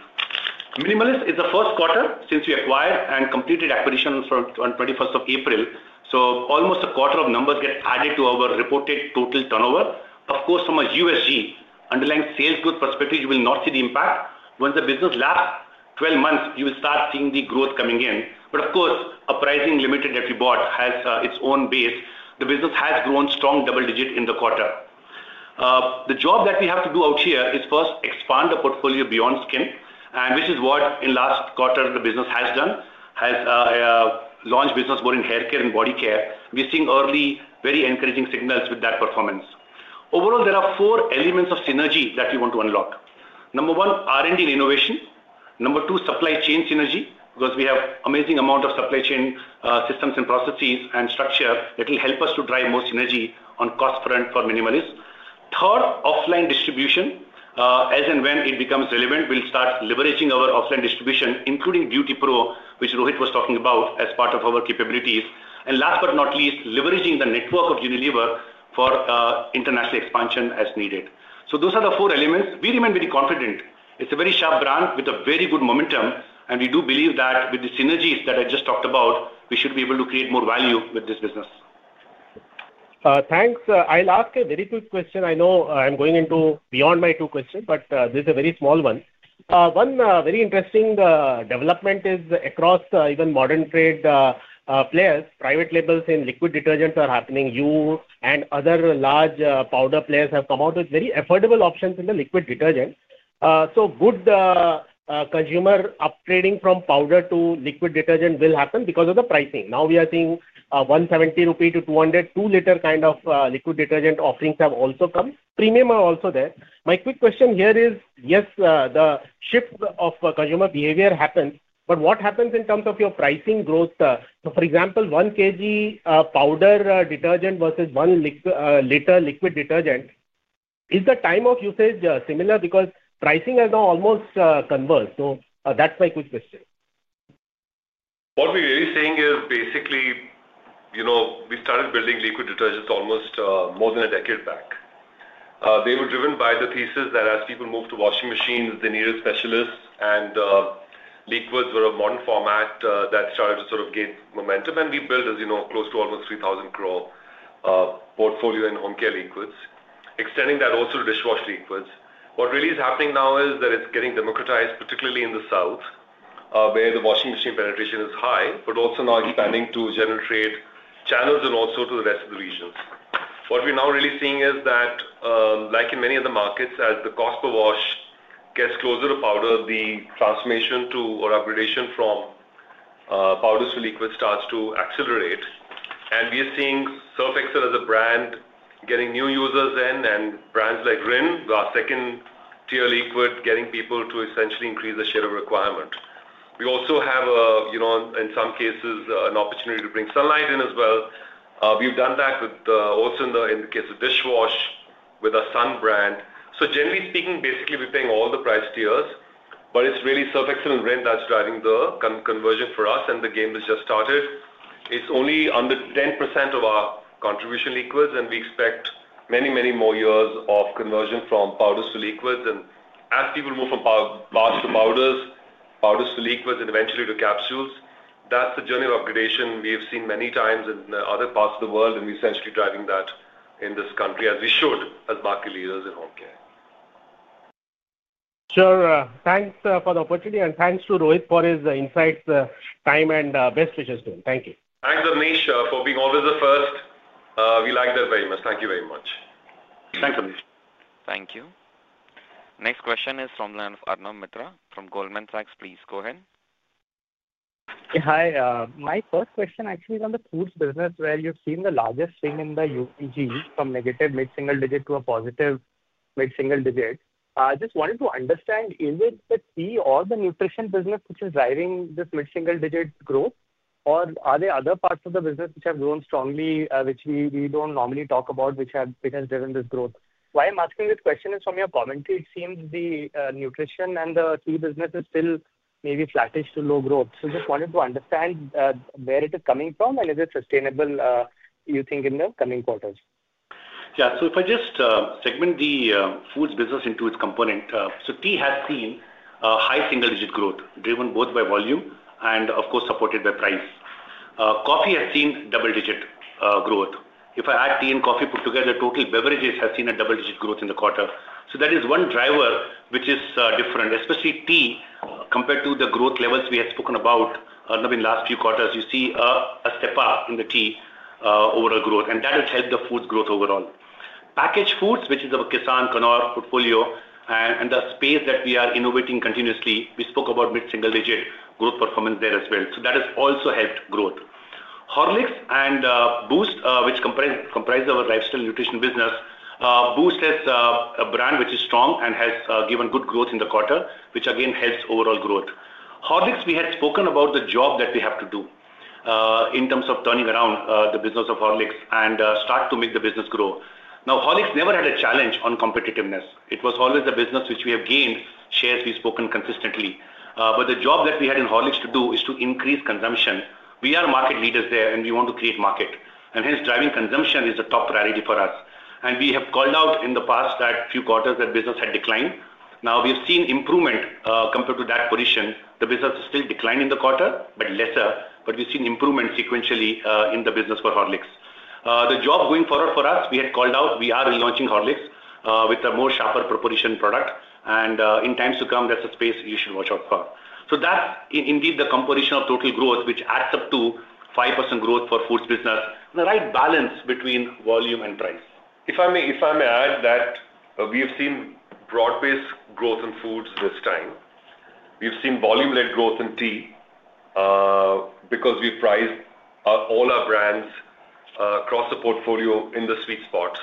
Minimalist is the first quarter since we acquired and completed acquisitions on 21st of April. Almost a quarter of numbers get added to our reported total turnover. Of course, from a USG, underlying sales growth perspective, you will not see the impact. Once the business lasts 12 months, you will start seeing the growth coming in. Of course, a pricing limited that we bought has its own base. The business has grown strong double-digit in the quarter. The job that we have to do out here is first expand the portfolio beyond skin, which is what in last quarter the business has done, has launched business more in Hair Care and body care. We're seeing early very encouraging signals with that performance. Overall, there are four elements of synergy that we want to unlock. Number one, R&D and innovation. Number two, supply chain synergy, because we have an amazing amount of supply chain systems and processes and structure that will help us to drive more synergy on the cost front for Minimalist. Third, offline distribution. As and when it becomes relevant, we'll start leveraging our offline distribution, including BeautyPro, which Rohit was talking about as part of our capabilities. Last but not least, leveraging the network of Unilever for international expansion as needed. Those are the four elements. We remain very confident. It's a very sharp brand with very good momentum. We do believe that with the synergies that I just talked about, we should be able to create more value with this business. Thanks. I'll ask a very quick question. I know I'm going into beyond my two questions, but this is a very small one. One very interesting development is across even modern trade. Players, private labels in liquid detergents are happening. You and other large powder players have come out with very affordable options in the liquid detergent. Consumer upgrading from powder to liquid detergent will happen because of the pricing. Now we are seeing 170-200 rupee, two-liter kind of liquid detergent offerings have also come. Premium are also there. My quick question here is, yes, the shift of consumer behavior happens, but what happens in terms of your pricing growth? For example, one kg powder detergent versus one liter liquid detergent, is the time of usage similar? Because pricing has now almost converged. That's my quick question. What we're really saying is basically we started building liquid detergents almost more than a decade back. They were driven by the thesis that as people move to washing machines, they needed specialists, and liquids were a modern format that started to sort of gain momentum. We built, as you know, close to almost 3,000 crore portfolio in home care liquids, extending that also to dishwasher liquids. What really is happening now is that it's getting democratized, particularly in the South, where the washing machine penetration is high, but also now expanding to general trade channels and also to the rest of the regions. What we're now really seeing is that, like in many other markets, as the cost per wash gets closer to powder, the transformation or upgradation from powder to liquid starts to accelerate. We are seeing Surf Excel as a brand getting new users in and brands like Rin, our second-tier liquid, getting people to essentially increase the share of requirement. We also have, in some cases, an opportunity to bring Sunlight in as well. We've done that also in the case of dishwasher with a Sun brand. Generally speaking, we're playing all the price tiers, but it's really Surf Excel and Rin that's driving the conversion for us, and the game has just started. It's only under 10% of our contribution liquids, and we expect many, many more years of conversion from powder to liquids. As people move from flour to powders, powder to liquids, and eventually to capsules, that's the journey of upgradation we have seen many times in other parts of the world, and we're essentially driving that in this country as we should as market leaders in home care. Sure. Thanks for the opportunity, and thanks to Rohit for his insights, time, and best wishes to him. Thank you. Thanks, Abneesh, for being always the first. We like that very much. Thank you very much. Thanks, Abneesh. Thank you. Next question is from Arnab Mitra from Goldman Sachs. Please go ahead. Hi. My first question actually is on the foods business, where you've seen the largest swing in the UPG from negative mid-single digit to a positive mid-single digit. I just wanted to understand, is it the tea or the nutrition business which is driving this mid-single digit growth, or are there other parts of the business which have grown strongly, which we don't normally talk about, which has driven this growth? Why I'm asking this question is from your commentary. It seems the nutrition and the tea business is still maybe flattish to low growth. I just wanted to understand where it is coming from and is it sustainable, you think, in the coming quarters? Yeah. If I just segment the foods business into its component, tea has seen high single-digit growth driven both by volume and, of course, supported by price. Coffee has seen double-digit growth. If I add tea and coffee put together, total beverages have seen a double-digit growth in the quarter. That is one driver which is different, especially tea, compared to the growth levels we had spoken about in the last few quarters. You see a step up in the tea overall growth, and that has helped the foods growth overall. Packaged foods, which is our Kissan Knorr portfolio and the space that we are innovating continuously, we spoke about mid-single digit growth performance there as well. That has also helped growth. Horlicks and Boost, which comprises our lifestyle nutrition business, Boost is a brand which is strong and has given good growth in the quarter, which again helps overall growth. Horlicks, we had spoken about the job that we have to do. In terms of turning around the business of Horlicks and start to make the business grow. Now, Horlicks never had a challenge on competitiveness. It was always a business which we have gained shares we've spoken consistently. The job that we had in Horlicks to do is to increase consumption. We are market leaders there, and we want to create market. Hence, driving consumption is the top priority for us. We have called out in the past that few quarters that business had declined. Now, we have seen improvement compared to that position. The business is still declining in the quarter, but lesser. We've seen improvement sequentially in the business for Horlicks. The job going forward for us, we had called out, we are relaunching Horlicks with a more sharper proposition product. In times to come, that's a space you should watch out for. That's indeed the composition of total growth, which adds up to 5% growth for foods business, the right balance between volume and price. If I may add that we have seen broad-based growth in foods this time. We've seen volume-led growth in tea because we've priced all our brands across the portfolio in the sweet spots.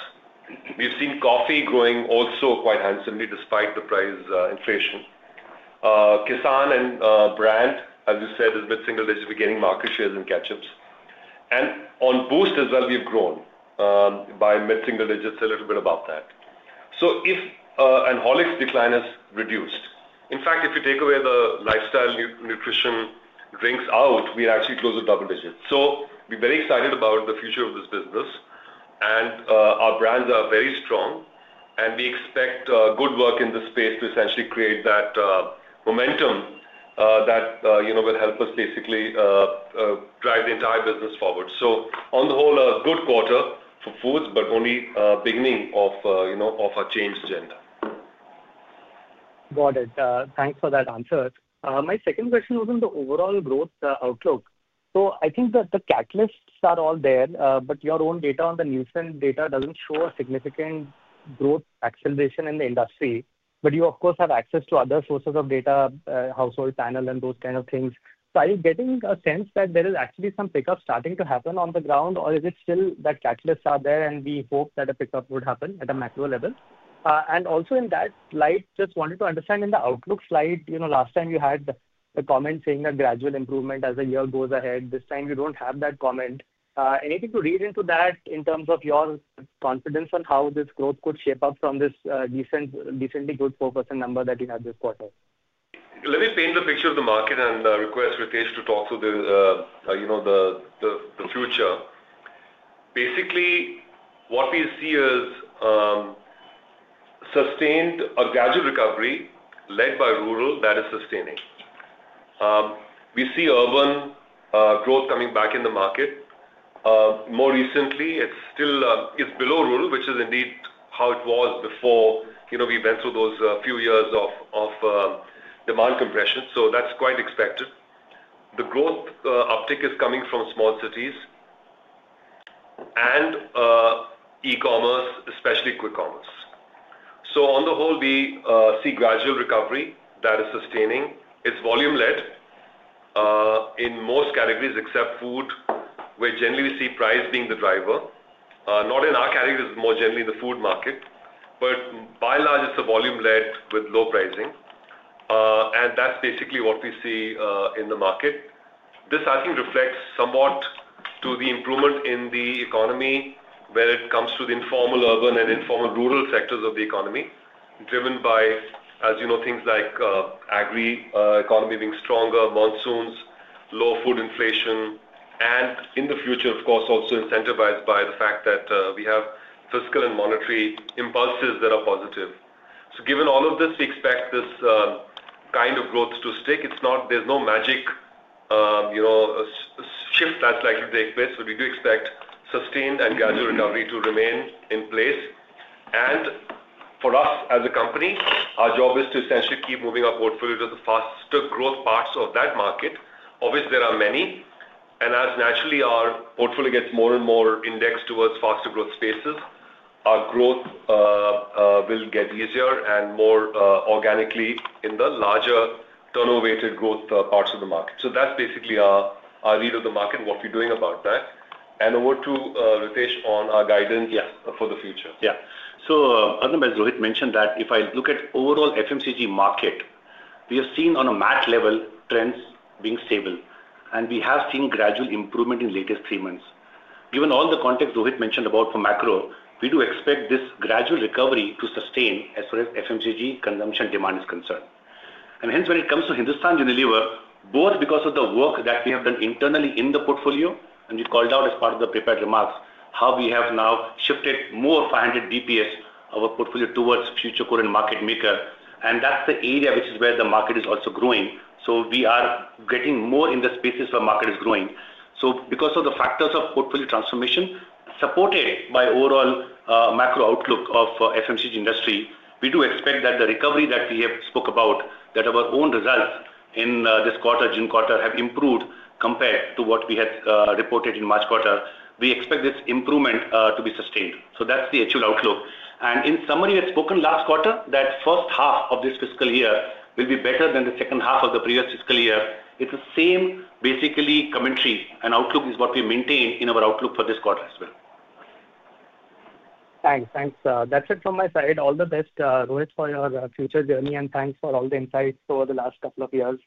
We've seen coffee growing also quite handsomely despite the price inflation. Kissan and Brand, as you said, is mid-single digit, we're getting market shares in ketchups. On Boost as well, we have grown by mid-single digits, a little bit about that. Horlicks' decline has reduced. In fact, if you take away the lifestyle nutrition drinks out, we actually close at double digits. We're very excited about the future of this business. Our brands are very strong. We expect good work in this space to essentially create that momentum that will help us basically drive the entire business forward. On the whole, a good quarter for foods, but only beginning of our change agenda. Got it. Thanks for that answer. My second question was on the overall growth outlook. I think that the catalysts are all there, but your own data on the Nielsen data doesn't show a significant growth acceleration in the industry. You, of course, have access to other sources of data, household panel, and those kind of things. Are you getting a sense that there is actually some pickup starting to happen on the ground, or is it still that catalysts are there and we hope that a pickup would happen at a macro level? Also in that light, just wanted to understand in the outlook slide, last time you had the comment saying that gradual improvement as the year goes ahead. This time you don't have that comment. Anything to read into that in terms of your confidence on how this growth could shape up from this decently good 4% number that you had this quarter? Let me paint a picture of the market and request Ritesh to talk through the future. Basically, what we see is sustained a gradual recovery led by rural that is sustaining. We see urban growth coming back in the market. More recently, it's below rural, which is indeed how it was before we went through those few years of demand compression. That's quite expected. The growth uptick is coming from small cities and e-commerce, especially quick commerce. On the whole, we see gradual recovery that is sustaining. It's volume-led in most categories except food, where generally we see price being the driver, not in our categories, more generally in the food market. By and large, it's a volume-led with low pricing, and that's basically what we see in the market. This, I think, reflects somewhat to the improvement in the economy when it comes to the informal urban and informal rural sectors of the economy, driven by, as you know, things like agri economy being stronger, monsoons, low food inflation, and in the future, of course, also incentivized by the fact that we have fiscal and monetary impulses that are positive. Given all of this, we expect this kind of growth to stick. There's no magic shift that's likely to take place. We do expect sustained and gradual recovery to remain in place. For us as a company, our job is to essentially keep moving our portfolio to the faster growth parts of that market. Obviously, there are many, and as naturally our portfolio gets more and more indexed towards faster growth spaces, our growth will get easier and more organically in the larger turnover-weighted growth parts of the market. That's basically our read of the market, what we're doing about that. Over to Ritesh on our guidance for the future. Yeah. Other than as Rohit mentioned, if I look at overall FMCG market, we have seen on a macro level trends being stable. We have seen gradual improvement in the latest three months. Given all the context Rohit mentioned about for macro, we do expect this gradual recovery to sustain as far as FMCG consumption demand is concerned. Hence, when it comes to Hindustan Unilever, both because of the work that we have done internally in the portfolio, and we called out as part of the prepared remarks how we have now shifted more 500 bps of our portfolio towards future current market maker. That's the area which is where the market is also growing. We are getting more in the spaces where market is growing. Because of the factors of portfolio transformation supported by overall macro outlook of the FMCG industry, we do expect that the recovery that we have spoken about, that our own results in this quarter, June quarter, have improved compared to what we had reported in March quarter. We expect this improvement to be sustained. That is the actual outlook. In summary, we had spoken last quarter that first half of this fiscal year will be better than the second half of the previous fiscal year. It is the same commentary and outlook we maintain in our outlook for this quarter as well. Thanks. That is it from my side. All the best, Rohit, for your future journey, and thanks for all the insights over the last couple of years.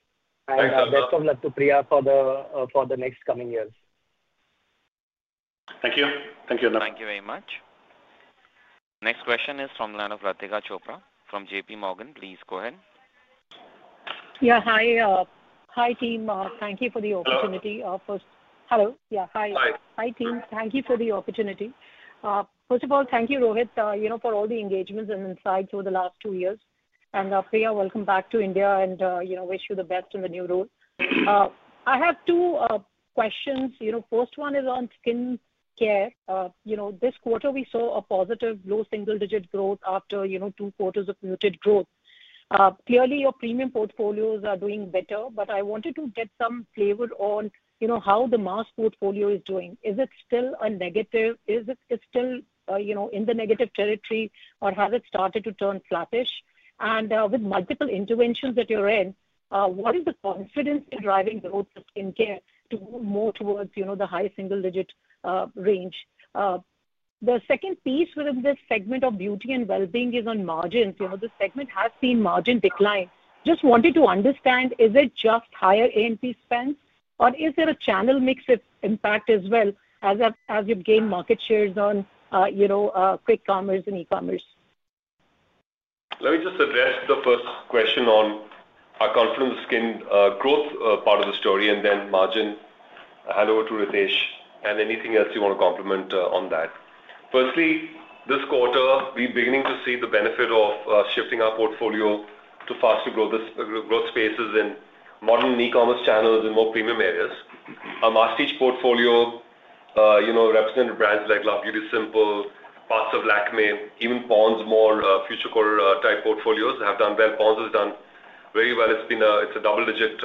Best of luck to Priya for the next coming years. Thank you. Thank you, Arnab. Thank you very much. Next question is from the line of Latika Chopra from J.P. Morgan. Please go ahead. Hi. Hi, team. Thank you for the opportunity. First of all, thank you, Rohit, for all the engagements and insights over the last two years. Priya, welcome back to India and wish you the best in the new role. I have two questions. First one is on skin care. This quarter, we saw a positive low single-digit growth after two quarters of muted growth. Clearly, your premium portfolios are doing better, but I wanted to get some flavor on how the mass portfolio is doing. Is it still a negative? Is it still in the negative territory, or has it started to turn flattish? With multiple interventions at your end, what is the confidence in driving growth for skin care to move more towards the high single-digit range? The second piece within this segment of Beauty and Well-being is on margins. The segment has seen margin decline. Just wanted to understand, is it just higher A&P spend, or is there a channel mix impact as well as you have gained market shares on quick commerce and e-commerce? Let me address the first question on our confidence in skin growth part of the story, and then margin. Hand over to Ritesh and anything else you want to complement on that. Firstly, this quarter, we are beginning to see the benefit of shifting our portfolio to faster growth spaces in modern e-commerce channels and more premium areas. Our mastery portfolio represented brands like Love Beauty, Simple, Pasta, Lakmé, even Pond's. Mall future quarter type portfolios have done well. Ponds has done very well. It's a double-digit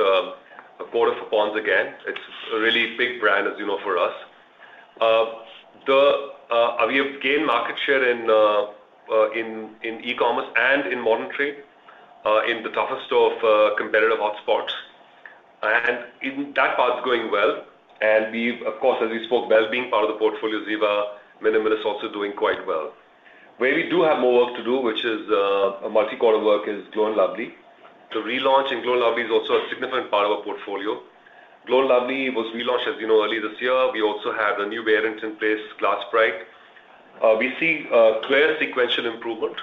quarter for Ponds again. It's a really big brand, as you know, for us. We have gained market share in e-commerce and in modern trade in the toughest of competitive hotspots. That part's going well. Of course, as we spoke, Bell being part of the portfolio, Minimalist also doing quite well. Where we do have more work to do, which is multicolor work, is Glow & Lovely. The relaunch in Glow & Lovely is also a significant part of our portfolio. Glow & Lovely was relaunched, as you know, early this year. We also had a new variant in place, Glass Bright. We see clear sequential improvement.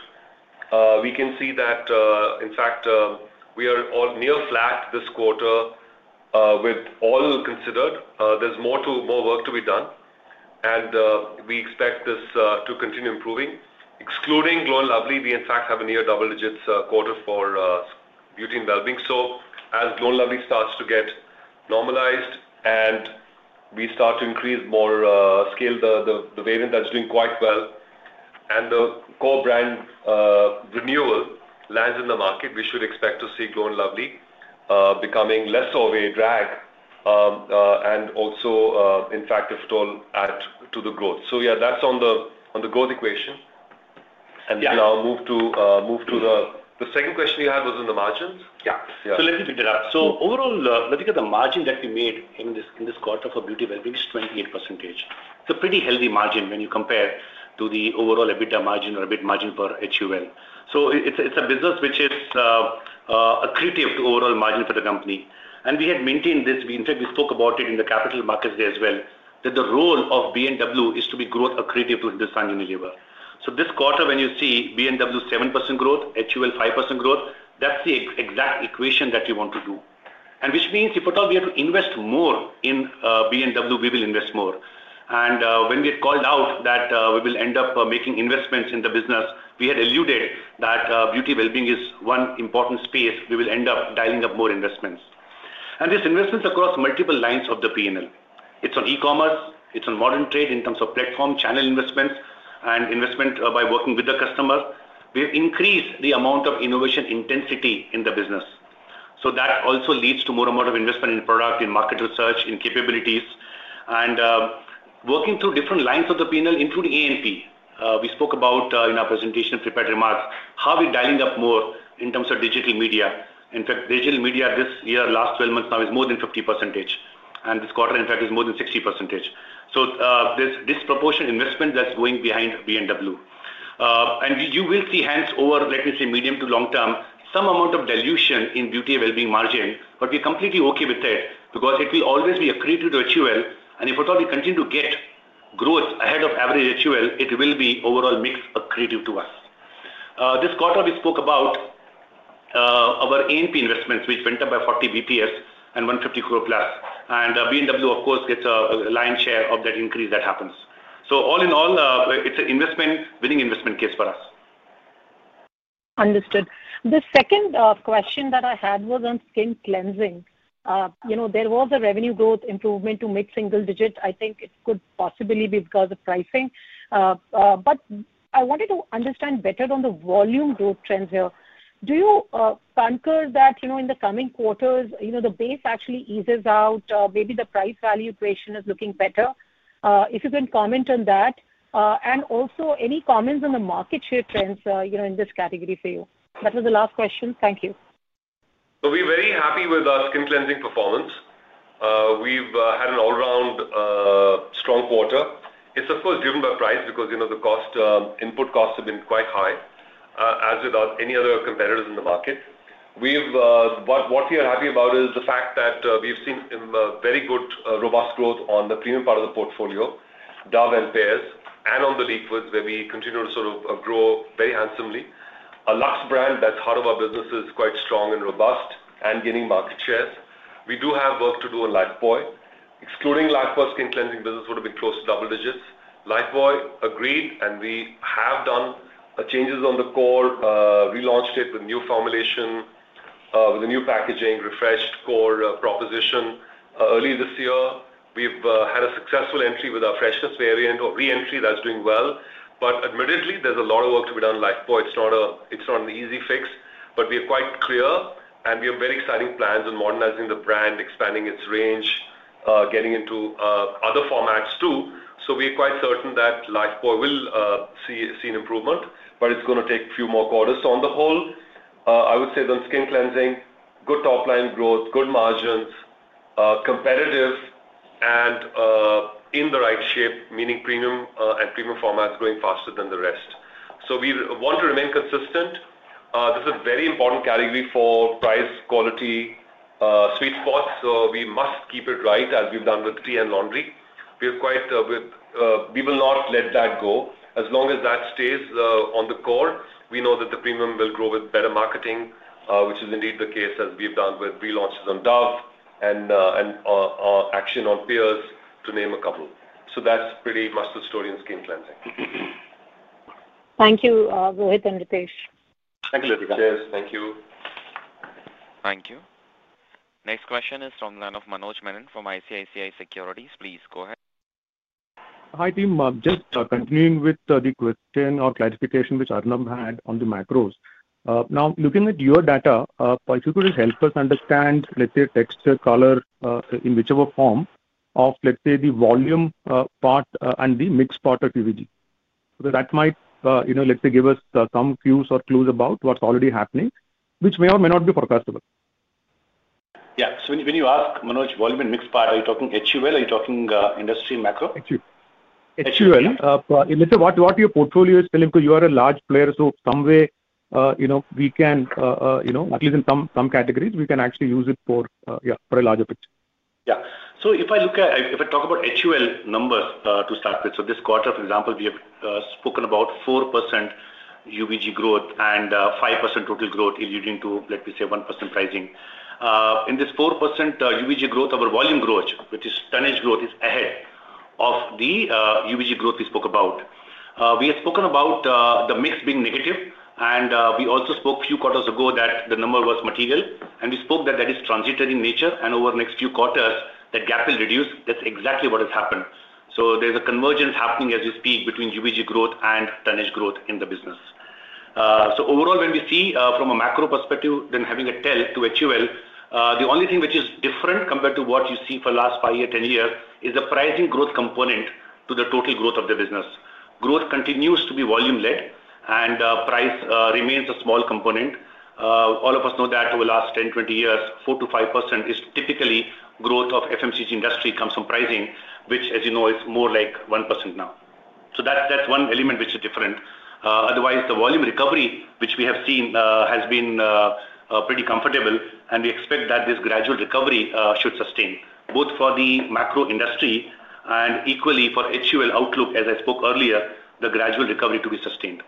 We can see that, in fact, we are near flat this quarter with all considered. There's more work to be done, and we expect this to continue improving. Excluding Glow & Lovely, we, in fact, have a near double-digit quarter for Beauty and Well-being. As Glow & Lovely starts to get normalized and we start to increase more scale, the variant that's doing quite well and the core brand renewal lands in the market, we should expect to see Glow & Lovely becoming less of a drag and also, in fact, a foothold to the growth. That's on the growth equation. Now, moving to the second question you had, which was on the margins. Let me pick it up. Overall, looking at the margin that we made in this quarter for Beauty and Well-being, it's 28%. It's a pretty healthy margin when you compare to the overall EBITDA margin or EBIT margin for HUL. It's a business which is accretive to overall margin for the company. We had maintained this. In fact, we spoke about it in the capital markets as well, that the role of B&W is to be growth accretive to HUL. This quarter, when you see Beauty and Well-being 7% growth, HUL 5% growth, that's the exact equation that we want to do, which means if at all we have to invest more in B&W, we will invest more. When we had called out that we will end up making investments in the business, we had alluded that Beauty and Well-being is one important space we will end up dialing up more investments. These investments are across multiple lines of the P&L. It's on e-commerce, it's on modern trade in terms of platform channel investments and investment by working with the customer. We have increased the amount of innovation intensity in the business. That also leads to more and more investment in product, in market research, in capabilities. Working through different lines of the P&L, including A&P. We spoke about in our presentation of prepared remarks how we're dialing up more interms of digital media. In fact, digital media this year, last 12 months now, is more than 50%. This quarter, in fact, is more than 60%. There is disproportionate investment that's going behind B&W. You will see hence over, let me say, medium to long term, some amount of dilution in Beauty and Well-being margin, but we're completely okay with it because it will always be accretive to HUL. If at all we continue to get growth ahead of average HUL, it will be overall mix accretive to us. This quarter, we spoke about our A&P investments, which went up by 40 bps and 150 crore plus. B&W, of course, gets a lion's share of that increase that happens. All in all, it's an investment-winning investment case for us. Understood. The second question that I had was on skin cleansing. There was a revenue growth improvement to mid-single digit. I think it could possibly be because of pricing. I wanted to understand better on the volume growth trends here. Do you concur that in the coming quarters, the base actually eases out? Maybe the price value equation is looking better. If you can comment on that. Also, any comments on the market share trends in this category for you? That was the last question. Thank you. We're very happy with our skin cleansing performance. We've had an all-round strong quarter. It's, of course, driven by price because the input costs have been quite high, as with any other competitors in the market. What we are happy about is the fact that we've seen very good robust growth on the premium part of the portfolio, Dove and Pears, and on the liquids, where we continue to sort of grow very handsomely. A Lux brand that's heart of our business is quite strong and robust and gaining market shares. We do have work to do on Lifebuoy. Excluding Lifebuoy, skin cleansing business would have been close to double digits. Lifebuoy, agreed, and we have done changes on the core. Relaunched it with new formulation, with a new packaging, refreshed core proposition. Early this year, we've had a successful entry with our freshness variant or re-entry that's doing well. Admittedly, there's a lot of work to be done on Lifebuoy. It's not an easy fix, but we are quite clear, and we have very exciting plans on modernizing the brand, expanding its range, getting into other formats too. We are quite certain that Lifebuoy will see an improvement, but it's going to take a few more quarters. On the whole, I would say on skin cleansing, good top-line growth, good margins. Competitive, and in the right shape, meaning premium and premium formats going faster than the rest. We want to remain consistent. This is a very important category for price-quality sweet spots. We must keep it right, as we've done with Tea and laundry. We will not let that go. As long as that stays on the core, we know that the premium will grow with better marketing, which is indeed the case, as we've done with relaunches on Dove and action on Pears, to name a couple. That's pretty much the story in skin cleansing. Thank you, Rohit and Ritesh. Thank you. Thank you. Thank you. Next question is from Leonard Manoj Menon from ICICI Securities. Please go ahead. Hi, team. Just continuing with the question or clarification which Arnab had on the macros. Now, looking at your data, if you could help us understand, let's say, texture, color, in whichever form of, let's say, the volume part and the mixed part of UVG. That might, let's say, give us some cues or clues about what's already happening, which may or may not be forecastable. Yeah. When you ask, Manoj, volume and mixed part, are you talking HUL? Are you talking industry macro? HUL. HUL. Let's say what your portfolio is filling because you are a large player. In some categories, we can actually use it for a larger picture. Yeah. If I look at, if I talk about HUL numbers to start with, this quarter, for example, we have spoken about 4% UVG growth and 5% total growth, leading to, let me say, 1% pricing. In this 4% UVG growth, our volume growth, which is tonnage growth, is ahead of the UVG growth we spoke about. We had spoken about the mix being negative, and we also spoke a few quarters ago that the number was material. We spoke that that is transitory in nature, and over the next few quarters, that gap will reduce. That's exactly what has happened. There's a convergence happening as we speak between UVG growth and tonnage growth in the business. Overall, when we see from a macro perspective, then having a tell to HUL, the only thing which is different compared to what you see for the last 5 years, 10 years is the pricing growth component to the total growth of the business. Growth continues to be volume-led, and price remains a small component. All of us know that over the last 10, 20 years, 4%-5% is typically growth of FMCG industry comes from pricing, which, as you know, is more like 1% now. That's one element which is different. Otherwise, the volume recovery which we have seen has been pretty comfortable, and we expect that this gradual recovery should sustain, both for the macro industry and equally for HUL outlook, as I spoke earlier, the gradual recovery to be sustained.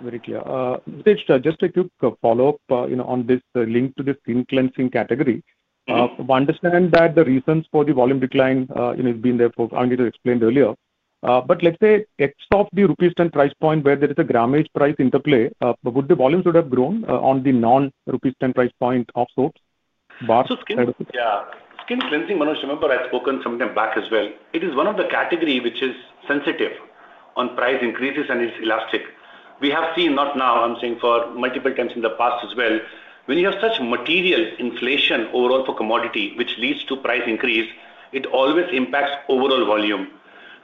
Very clear. Ritesh, just a quick follow-up on this link to the skin cleansing category. I understand that the reasons for the volume decline have been there, I need to explain earlier. Let's say, except the Rupee Stand price point where there is a gramage price interplay, would the volumes would have grown on the non-Rupee Stand price point of sorts? Yeah. Skin cleansing, Manoj, remember I'd spoken sometime back as well. It is one of the categories which is sensitive on price increases and is elastic. We have seen, not now, I'm saying for multiple times in the past as well, when you have such material inflation overall for commodity, which leads to price increase, it always impacts overall volume.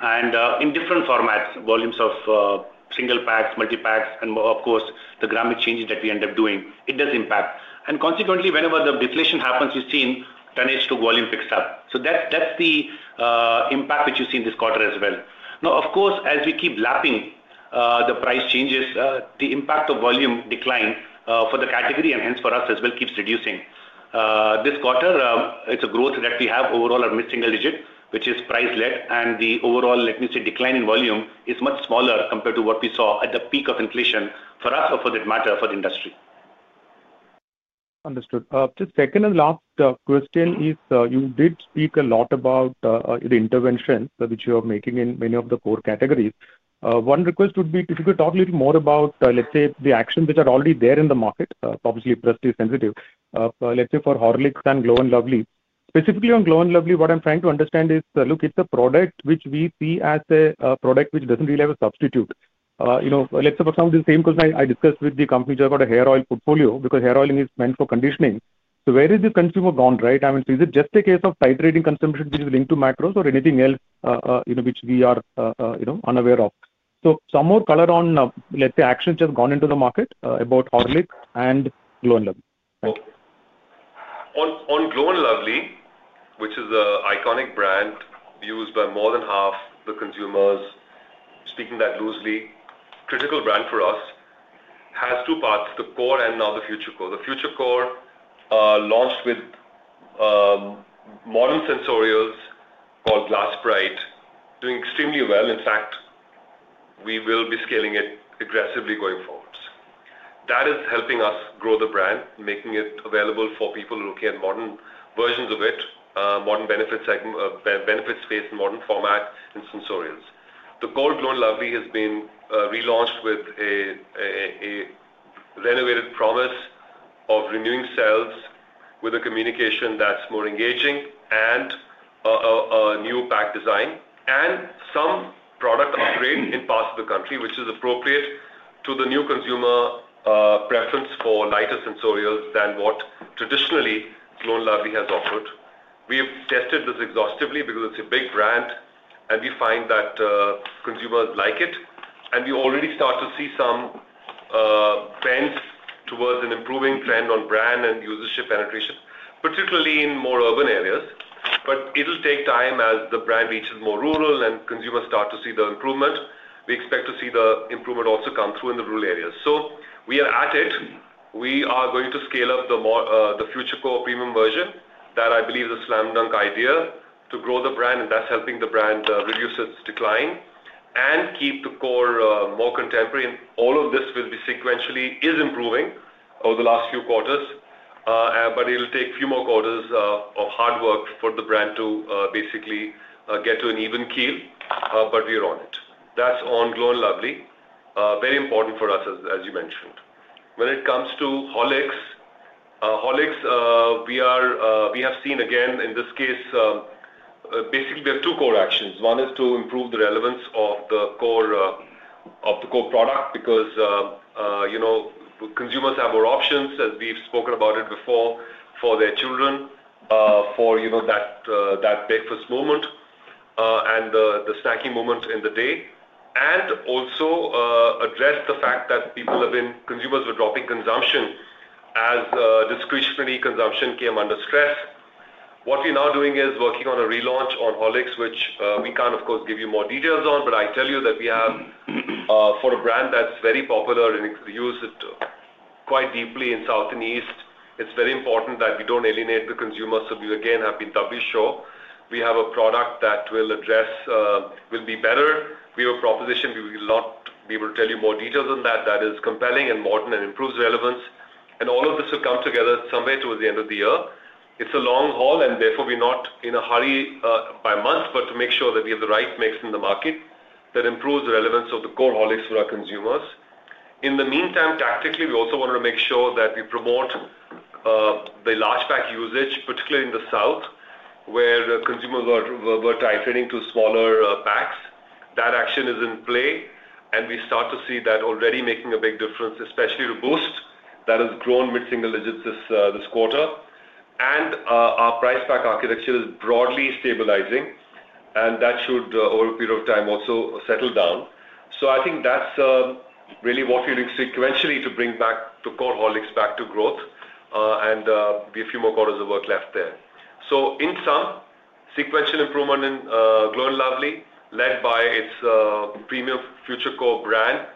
In different formats, volumes of single packs, multi-packs, and of course, the gramage changes that we end up doing, it does impact. Consequently, whenever the deflation happens, you've seen tonnage to volume picks up. That's the impact which you see in this quarter as well. Now, of course, as we keep lapping the price changes, the impact of volume decline for the category and hence for us as well keeps reducing. This quarter, it's a growth that we have overall at mid-single digit, which is price-led, and the overall, let me say, decline in volume is much smaller compared to what we saw at the peak of inflation for us, for that matter, for the industry. Understood. Just second and last question is, you did speak a lot about the interventions which you are making in many of the core categories. One request would be if you could talk a little more about, let's say, the actions which are already there in the market, obviously price-to-sensitive. Let's say for Horlicks and Glow & Lovely. Specifically on Glow & Lovely, what I'm trying to understand is, look, it's a product which we see as a product which doesn't really have a substitute. Let's say for some of the same question I discussed with the company just about a hair oil portfolio because hair oiling is meant for conditioning. Where is the consumer gone, right? I mean, is it just a case of titrating consumption which is linked to macros or anything else which we are unaware of? Some more color on, let's say, actions just gone into the market about Horlicks and Glow & Lovely. On Glow & Lovely, which is an iconic brand used by more than half the consumers, speaking that loosely, critical brand for us. Has two parts, the core and now the future core. The future core launched with modern sensorials called Glass Bright, doing extremely well. In fact, we will be scaling it aggressively going forwards. That is helping us grow the brand, making it available for people who can look at modern versions of it, modern benefits, space, modern format, and sensorials. The core Glow & Lovely has been relaunched with a renovated promise of renewing sales with a communication that's more engaging and a new pack design and some product upgrade in parts of the country, which is appropriate to the new consumer preference for lighter sensorials than what traditionally Glow & Lovely has offered. We have tested this exhaustively because it's a big brand, and we find that consumers like it. We already start to see some bends towards an improving trend on brand and usership penetration, particularly in more urban areas. It'll take time as the brand reaches more rural and consumers start to see the improvement. We expect to see the improvement also come through in the rural areas. We are at it. We are going to scale up the future core premium version that I believe is a slam dunk idea to grow the brand, and that's helping the brand reduce its decline and keep the core more contemporary. All of this will be sequentially improving over the last few quarters. It'll take a few more quarters of hard work for the brand to basically get to an even keel. We are on it. That's on Glow & Lovely. Very important for us, as you mentioned. When it comes to Horlicks, Horlicks. We have seen again in this case, basically we have two core actions. One is to improve the relevance of the core product because, you know, consumers have more options, as we've spoken about it before, for their children, for that breakfast moment, and the snacking moments in the day. Also, address the fact that consumers were dropping consumption as discretionary consumption came under stress. What we're now doing is working on a relaunch on Horlicks, which we can't of course give you more details on, but I tell you that we have, for a brand that's very popular and it's used quite deeply in South and East, it's very important that we don't alienate the consumer. We again have been doubly sure we have a product that will address, will be better. We have a proposition we will not be able to tell you more details on that. That is compelling and modern and improves relevance. All of this will come together somewhere towards the end of the year. It's a long haul and therefore we're not in a hurry, by month, but to make sure that we have the right mix in the market that improves the relevance of the core Horlicks for our consumers. In the meantime, tactically, we also wanted to make sure that we promote the large pack usage, particularly in the South, where consumers were titrating to smaller packs. That action is in play. We start to see that already making a big difference, especially robust. That has grown mid-single digits this quarter. Our price pack architecture is broadly stabilizing. That should, over a period of time, also settle down. I think that's really what we're doing sequentially to bring back the core Horlicks back to growth, and be a few more quarters of work left there. In sum, sequential improvement in Glow & Lovely led by its premium future core brand,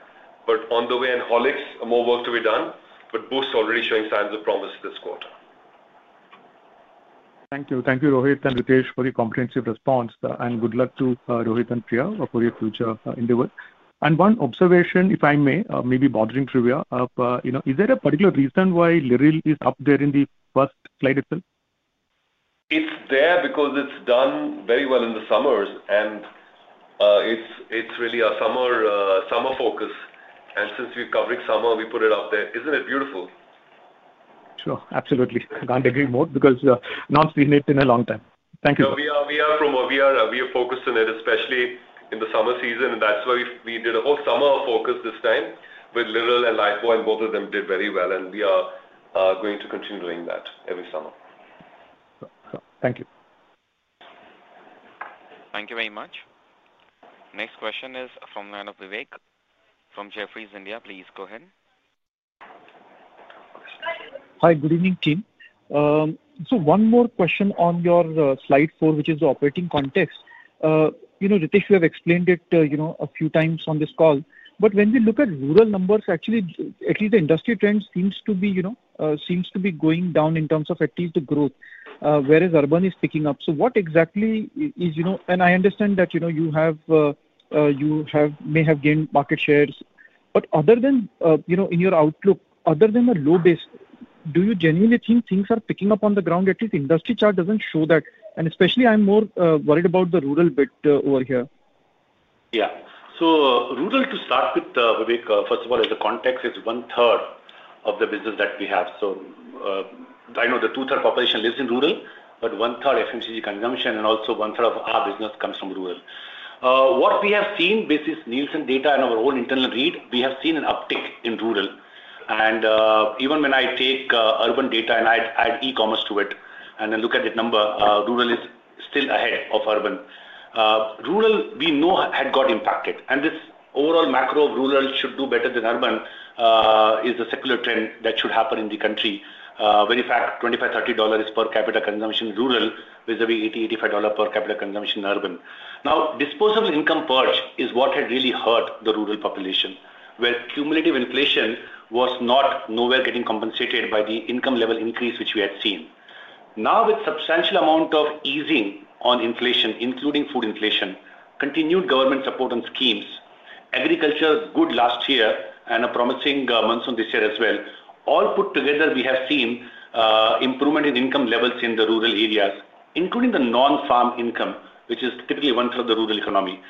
but on the way in Horlicks, more work to be done, but Boost already showing signs of promise this quarter. Thank you. Thank you, Rohit and Ritesh, for the comprehensive response. Good luck to Rohit and Priya for your future endeavor. One observation, if I may, maybe bothering trivia, you know, is there a particular reason why Liril is up there in the first slide itself? It's there because it's done very well in the summers. It's really a summer focus. Since we're covering summer, we put it up there. Isn't it beautiful? Sure. Absolutely. Can't agree more because, not seen it in a long time. Thank you. We are focused on it, especially in the summer season. That's why we did a whole summer focus this time with Liril and Lifebuoy. Both of them did very well, and we are going to continue doing that every summer. Thank you. Thank you very much. Next question is from Lionel de Wouters from Jefferies India. Please go ahead. Hi, good evening, team. One more question on your slide four, which is the operating context. Ritesh, you have explained it a few times on this call. When we look at rural numbers, at least the industry trend seems to be going down in terms of at least the growth, whereas urban is picking up. What exactly is, and I understand that you may have gained market shares. Other than, in your outlook, other than the low base, do you genuinely think things are picking up on the ground? At least industry chart doesn't show that. Especially I'm more worried about the rural bit over here. Yeah. So, rural to start with, Vivek, first of all, as a context, it's one third of the business that we have. I know the two third population lives in rural, but one third FMCG consumption and also one third of our business comes from rural. What we have seen basically is Nielsen data and our own internal read, we have seen an uptick in rural. Even when I take urban data and add e-commerce to it and then look at that number, rural is still ahead of urban. Rural, we know, had got impacted. This overall macro of rural should do better than urban is the secular trend that should happen in the country, where in fact $25, $30 per capita consumption rural vis-à-vis $80, $85 per capita consumption urban. Now, disposable income purge is what had really hurt the rural population, where cumulative inflation was not nowhere getting compensated by the income level increase which we had seen. Now, with substantial amount of easing on inflation, including food inflation, continued government support on schemes, agriculture good last year, and a promising monsoon this year as well, all put together, we have seen improvement in income levels in the rural areas, including the non-farm income, which is typically one third of the rural economy.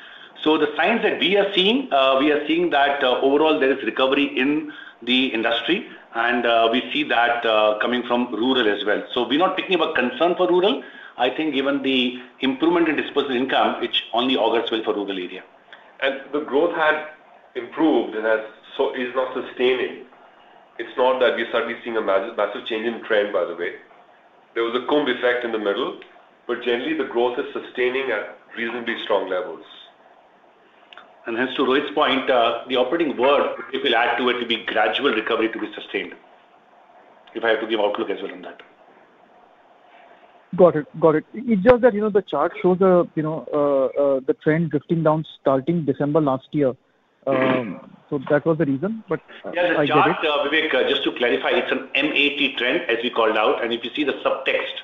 The signs that we are seeing, we are seeing that overall there is recovery in the industry. We see that coming from rural as well. We're not picking up a concern for rural. I think given the improvement in disposable income, it only augurs well for rural area. The growth had improved and has so is not sustaining. It's not that we started seeing a massive change in trend, by the way. There was a comb effect in the middle, but generally the growth is sustaining at reasonably strong levels. Hence to Rohit's point, the operating word, if you add to it, to be gradual recovery to be sustained. If I have to give outlook as well on that. Got it. It's just that, you know, the chart shows the trend drifting down starting December last year. That was the reason. I get it. Yeah. The chart, Vivek, just to clarify, it's an MAT trend as we called out. If you see the subtext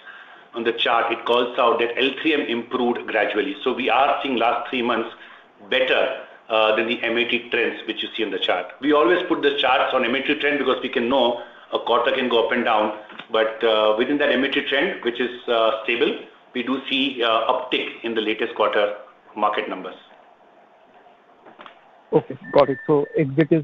on the chart, it calls out that L3M improved gradually. We are seeing last three months better than the MAT trends which you see on the chart. We always put the charts on MAT trend because we know a quarter can go up and down. Within that MAT trend, which is stable, we do see uptick in the latest quarter market numbers. Okay. Got it. Exit is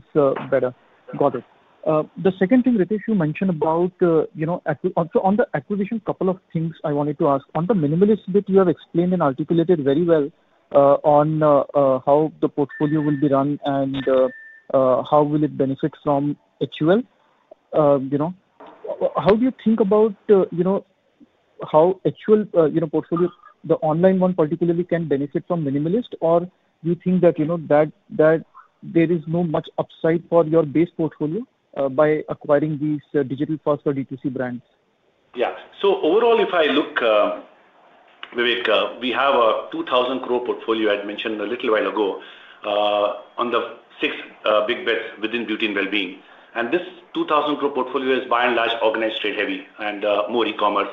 better. Got it. The second thing, Ritesh, you mentioned about, you know, on the acquisition, couple of things I wanted to ask. On the Minimalist bit, you have explained and articulated very well on how the portfolio will be run and how will it benefit from HUL, you know? How do you think about, you know, how HUL, you know, portfolio, the online one particularly, can benefit from Minimalist? Or do you think that, you know, that there is no much upside for your base portfolio by acquiring these digital-first or DTC brands? Yeah. So overall, if I look, Vivek, we have a 2,000 crore portfolio I'd mentioned a little while ago, on the six big bets within Beauty and Wellbeing. This 2,000 crore portfolio is by and large organized trade heavy and more e-commerce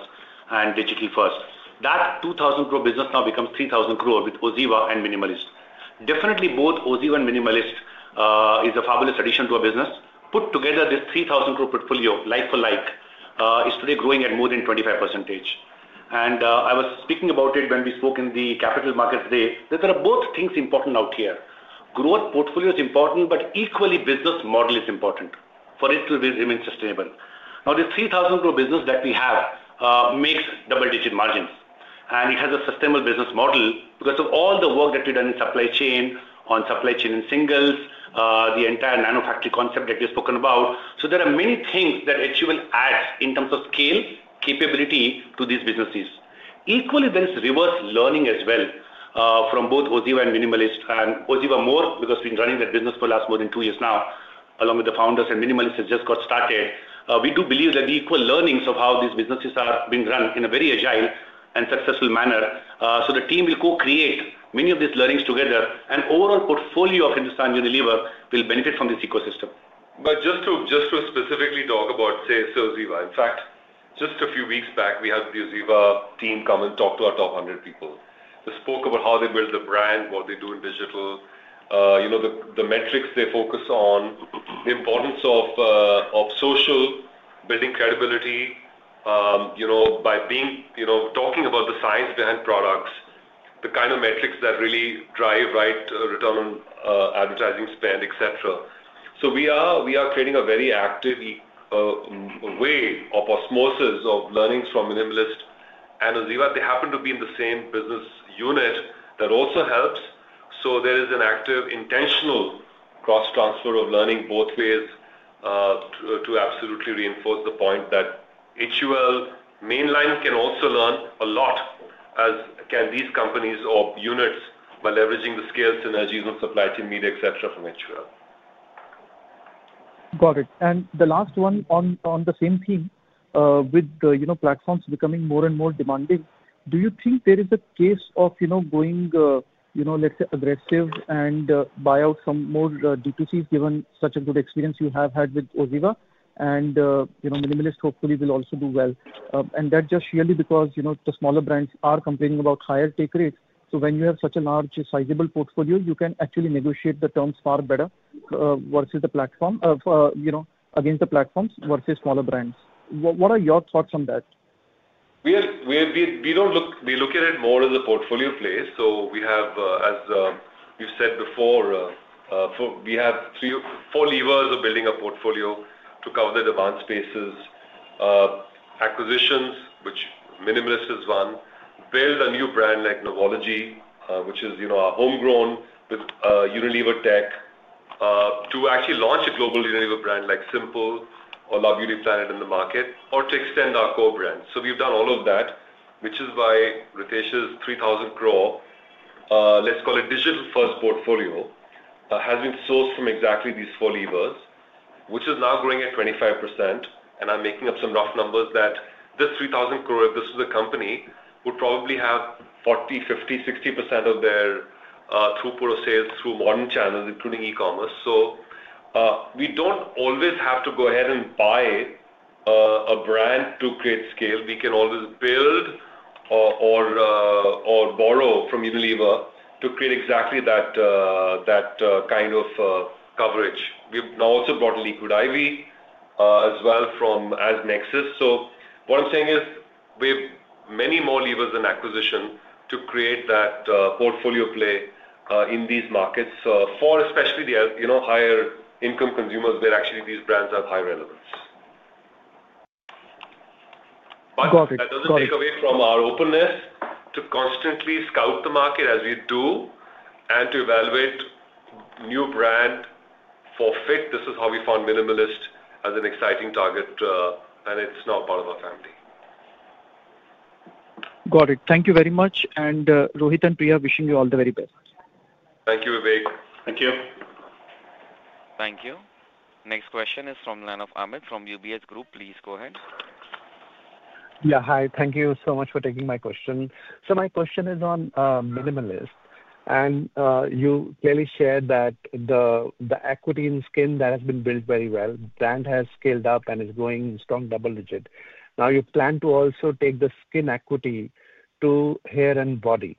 and digital first. That 2,000 crore business now becomes 3,000 crore with OZiva and Minimalist. Definitely both OZiva and Minimalist are a fabulous addition to our business. Put together, this 3,000 crore portfolio, like for like, is today growing at more than 25%. I was speaking about it when we spoke in the capital market today, that there are both things important out here. Growth portfolio is important, but equally business model is important for it to remain sustainable. Now, this 3,000 crore business that we have makes double-digit margins. It has a sustainable business model because of all the work that we've done in supply chain, on supply chain in singles, the entire nanofactory concept that we've spoken about. There are many things that HUL adds in terms of scale and capability to these businesses. Equally, there is reverse learning as well from both OZiva and Minimalist, and OZiva more, because we've been running that business for the last more than two years now along with the founders, and Minimalist has just got started. We do believe that there are equal learnings of how these businesses are being run in a very agile and successful manner. The team will co-create many of these learnings together. The overall portfolio of Hindustan Unilever Limited will benefit from this ecosystem. Just to specifically talk about, say, OZiva. In fact, just a few weeks back, we had the OZiva team come and talk to our top 100 people. They spoke about how they build the brand, what they do in digital, the metrics they focus on, the importance of social, building credibility by talking about the science behind products, the kind of metrics that really drive return on advertising spend, etc. We are creating a very active way of osmosis of learnings from Minimalist and OZiva. They happen to be in the same business unit. That also helps. There is an active, intentional cross transfer of learning both ways to absolutely reinforce the point that HUL mainline can also learn a lot, as can these companies or units, by leveraging the scale synergies and supply chain, media, etc., from HUL. Got it. The last one on the same theme, with the platforms becoming more and more demanding, do you think there is a case of going, let's say, aggressive and buy out some more DTCs given such a good experience you have had with OZiva? Minimalist hopefully will also do well. That just surely because the smaller brands are complaining about higher take rates. When you have such a large sizable portfolio, you can actually negotiate the terms far better against the platforms versus smaller brands. What are your thoughts on that? We don't look, we look at it more as a portfolio play. We have, as we've said before, three, four levers of building a portfolio to cover the demand spaces: acquisitions, which Minimalist is one; build a new brand like Novology, which is our homegrown with Unilever tech; to actually launch a global Unilever brand like Simple or Love Beauty Planet in the market; or to extend our core brand. We've done all of that, which is why Ritesh's 3,000 crore, let's call it digital first portfolio, has been sourced from exactly these four levers, which is now growing at 25%. I'm making up some rough numbers that this 3,000 crore, if this was a company, would probably have 40%, 50%, 60% of their throughput of sales through modern channels, including e-commerce. We don't always have to go ahead and buy a brand to create scale. We can always build or borrow from Unilever to create exactly that kind of coverage. We've now also brought in Liquid I.V. as well from Nexxus. What I'm saying is we have many more levers and acquisitions to create that portfolio play in these markets, especially for the higher income consumers where actually these brands have high relevance. Got it. That doesn't take away from our openness to constantly scout the market as we do and to evaluate new brand for fit. This is how we found Minimalist as an exciting target, and it's now part of our family. Got it. Thank you very much. Rohit and Priya, wishing you all the very best. Thank you, Vivek. Thank you. Thank you. Next question is from line of Amit from UBS Group. Please go ahead. Yeah. Hi. Thank you so much for taking my question. My question is on Minimalist. You clearly shared that the equity in skin that has been built very well, brand has scaled up and is growing strong double digit. You plan to also take the skin equity to hair and body,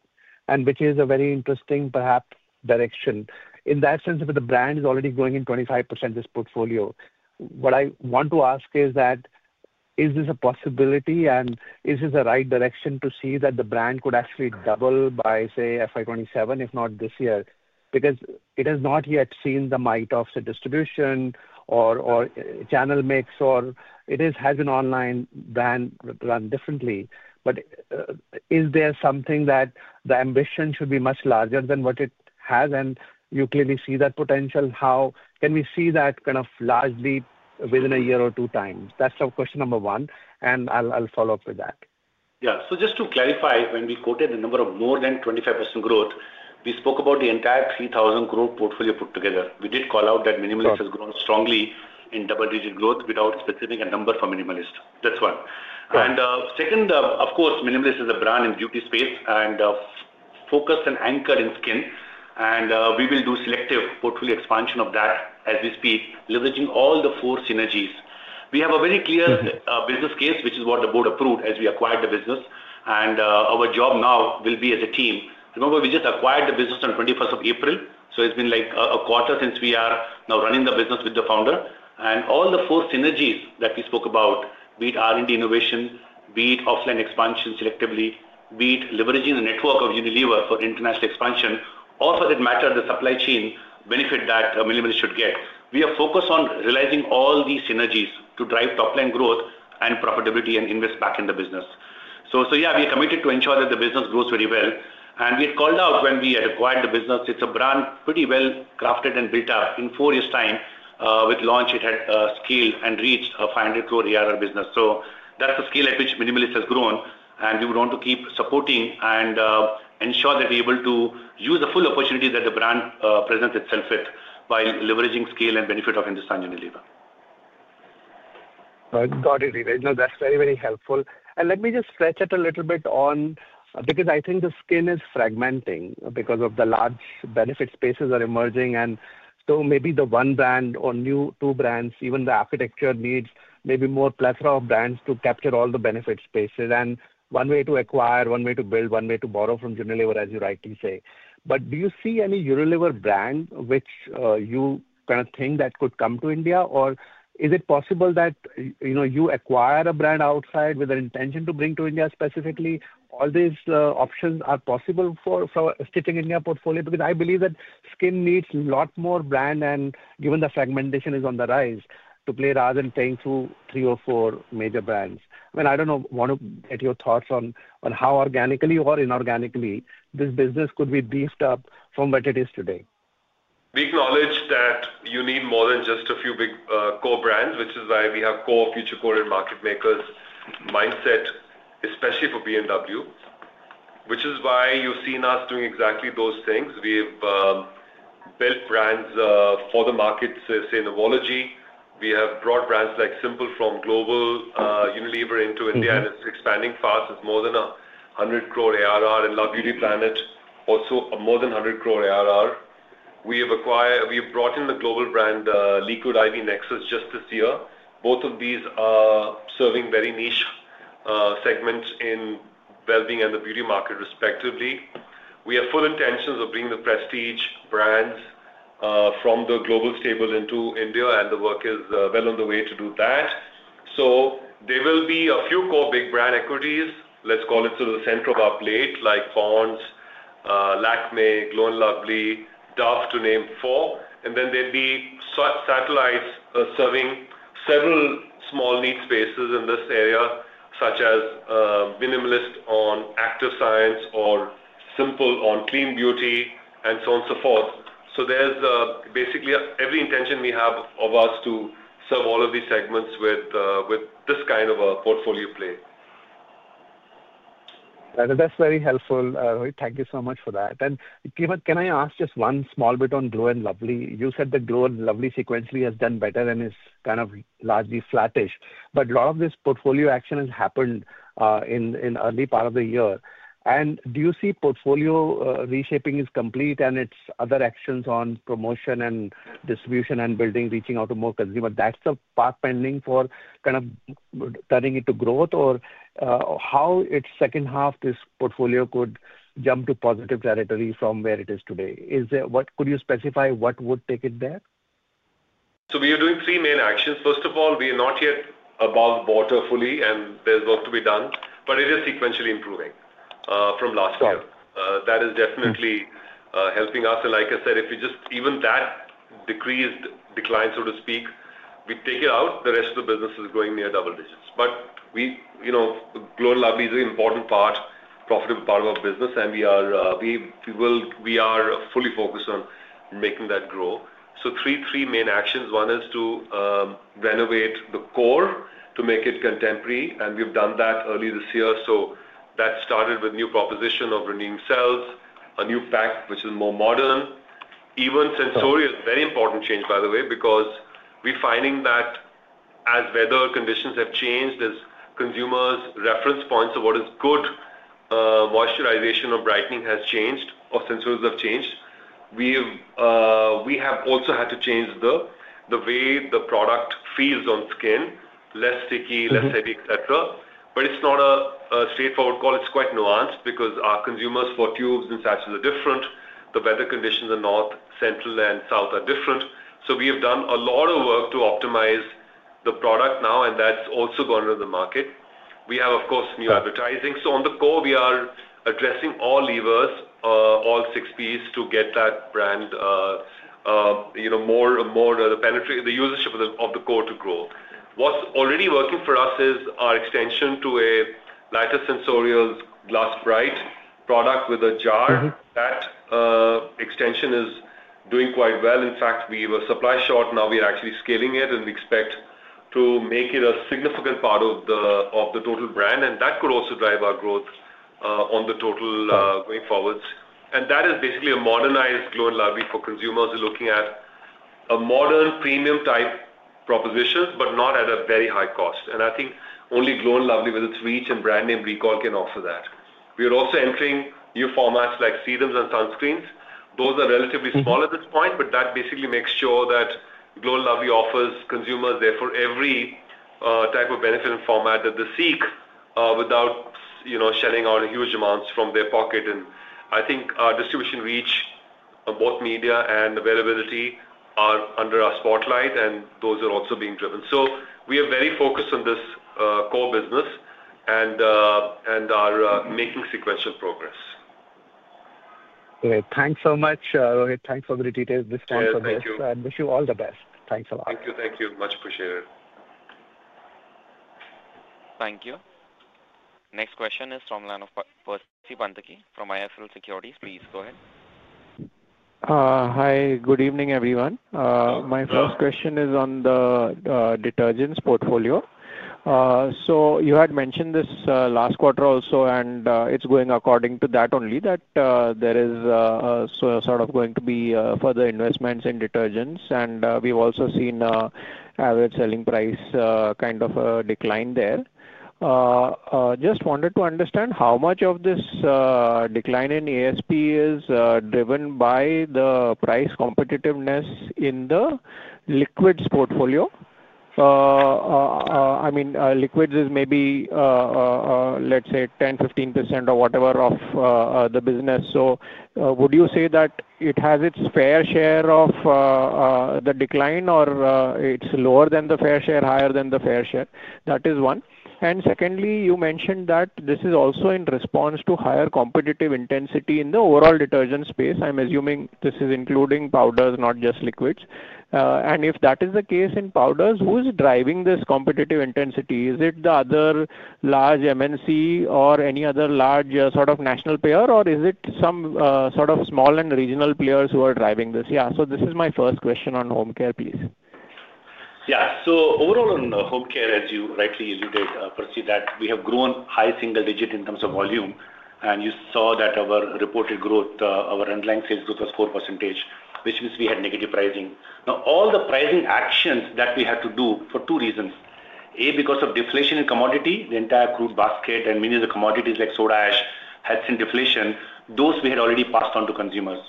which is a very interesting perhaps direction. In that sense, if the brand is already growing in 25% this portfolio, what I want to ask is that, is this a possibility? Is this the right direction to see that the brand could actually double by, say, FY 2027, if not this year? It has not yet seen the might of, say, distribution or channel mix, or it has an online brand run differently. Is there something that the ambition should be much larger than what it has? You clearly see that potential. How can we see that kind of large leap within a year or two time? That's our question number one. I'll follow up with that. Yeah. Just to clarify, when we quoted the number of more than 25% growth, we spoke about the entire 3,000 crore portfolio put together. We did call out that Minimalist has grown strongly in double-digit growth without specifying a number for Minimalist. That's one. Second, of course, Minimalist is a brand in the beauty space and focused and anchored in skin. We will do selective portfolio expansion of that as we speak, leveraging all the four synergies. We have a very clear business case, which is what the board approved as we acquired the business. Our job now will be as a team. Remember, we just acquired the business on 21st April. It's been like a quarter since we are now running the business with the founder. All the four synergies that we spoke about, be it R&D innovation, be it offline expansion selectively, be it leveraging the network of Unilever for international expansion, or for that matter, the supply chain benefit that Minimalist should get, we are focused on realizing all these synergies to drive top-line growth and profitability and invest back in the business. Yeah, we are committed to ensure that the business grows very well. We had called out when we had acquired the business, it's a brand pretty well crafted and built up in four years' time. With launch, it had scaled and reached a 500 crore ARR business. That's the scale at which Minimalist has grown. We would want to keep supporting and ensure that we're able to use the full opportunity that the brand presents itself with while leveraging scale and benefit of Hindustan Unilever. Got it, Ritesh. No, that's very, very helpful. Let me just stretch it a little bit, because I think the skin is fragmenting because of the large benefit spaces that are emerging. Maybe the one brand or two brands, even the architecture, needs maybe more plethora of brands to capture all the benefit spaces. One way to acquire, one way to build, one way to borrow from Unilever, as you rightly say. Do you see any Unilever brand which you kind of think that could come to India? Is it possible that you acquire a brand outside with an intention to bring to India specifically? All these options are possible for stitching the India portfolio. I believe that skin needs a lot more brands, and given the fragmentation is on the rise, to play rather than playing through three or four major brands. I mean, I don't know, want to get your thoughts on how organically or inorganically this business could be beefed up from what it is today. We acknowledge that you need more than just a few big, core brands, which is why we have core, future core, and market makers mindset, especially for B&W. Which is why you've seen us doing exactly those things. We've built brands for the market, say, say, Novology. We have brought brands like Simple from global Unilever into India, and it's expanding fast. It's more than 100 crore ARR, and Love Beauty Planet, also a more than 100 crore ARR. We have acquired, we have brought in the global brand Liquid I.V. Nexxus just this year. Both of these are serving very niche segments in wellbeing and the beauty market, respectively. We have full intentions of bringing the prestige brands from the global stable into India. The work is well on the way to do that. There will be a few core big brand equities, let's call it sort of the center of our plate, like Pond's, Lakmé, Glow & Lovely, Dove to name four. Then there'd be satellites, serving several small need spaces in this area, such as Minimalist on active science or Simple on clean beauty and so on and so forth. There's basically every intention we have of us to serve all of these segments with this kind of a portfolio play. That is very helpful, Rohit. Thank you so much for that. Kevin, can I ask just one small bit on Glow & Lovely? You said that Glow & Lovely sequentially has done better and is kind of largely flattish. A lot of this portfolio action has happened in the early part of the year. Do you see portfolio reshaping is complete and its other actions on promotion and distribution and building, reaching out to more consumers? That's the path pending for kind of turning into growth, or how its second half, this portfolio could jump to positive territory from where it is today. Could you specify what would take it there? We are doing three main actions. First of all, we are not yet above water fully, and there's work to be done. It is sequentially improving from last year. That is definitely helping us. If we just even that decreased decline, so to speak, we take it out, the rest of the business is growing near double digits. Glow & Lovely is an important, profitable part of our business. We are fully focused on making that grow. Three main actions: one is to renovate the core to make it contemporary, and we've done that early this year. That started with a new proposition of renewing cells, a new pack, which is more modern. Even sensorial, very important change, by the way, because we're finding that as weather conditions have changed, as consumers' reference points of what is good, moisturization or brightening has changed or sensors have changed, we have also had to change the way the product feels on skin, less sticky, less heavy, etc. It is not a straightforward call. It's quite nuanced because our consumers for tubes and satchels are different. The weather conditions in north, central, and south are different. We have done a lot of work to optimize the product now, and that's also gone into the market. We have, of course, new advertising. On the core, we are addressing all levers, all six P's to get that brand more and more of the penetrate the usership of the core to grow. What's already working for us is our extension to a lighter sensorials Glass bright product with a jar. That extension is doing quite well. In fact, we were supply short. Now we are actually scaling it, and we expect to make it a significant part of the total brand. That could also drive our growth on the total, going forwards. That is basically a modernized Glow & Lovely for consumers looking at a modern premium type proposition, but not at a very high cost. Only Glow & Lovely with its reach and brand name recall can offer that. We are also entering new formats like serums and sunscreens. Those are relatively small at this point, but that basically makes sure that Glow & Lovely offers consumers therefore every type of benefit and format that they seek, without shelling out huge amounts from their pocket. Our distribution reach, both media and availability, are under our spotlight, and those are also being driven. We are very focused on this core business and are making sequential progress. Great. Thanks so much, Rohit. Thanks for the details. Thanks for this. Yeah, thank you. Wish you all the best. Thanks a lot. Thank you. Thank you. Much appreciated. Thank you. Next question is from Percy Panthaki from IIFL Research. Please go ahead. Hi. Good evening, everyone. My first question is on the detergents portfolio. You had mentioned this last quarter also, and it's going according to that only that there is sort of going to be further investments in detergents. We've also seen an average selling price, kind of a decline there. Just wanted to understand how much of this decline in ASP is driven by the price competitiveness in the liquids portfolio. I mean, liquids is maybe, let's say, 10%, 15% or whatever of the business. Would you say that it has its fair share of the decline, or it's lower than the fair share, higher than the fair share? That is one. Secondly, you mentioned that this is also in response to higher competitive intensity in the overall detergent space. I'm assuming this is including powders, not just liquids. If that is the case in powders, who is driving this competitive intensity? Is it the other large MNC or any other large sort of national player, or is it some sort of small and regional players who are driving this? This is my first question on Home Care, please. Yeah. So overall on the Home Care, as you rightly alluded, perceive that we have grown high single digit in terms of volume. You saw that our reported growth, our underlying sales growth was 4%, which means we had negative pricing. Now, all the pricing actions that we had to do for two reasons. A, because of deflation in commodity, the entire crude basket and many of the commodities like soda ash had seen deflation. Those we had already passed on to consumers.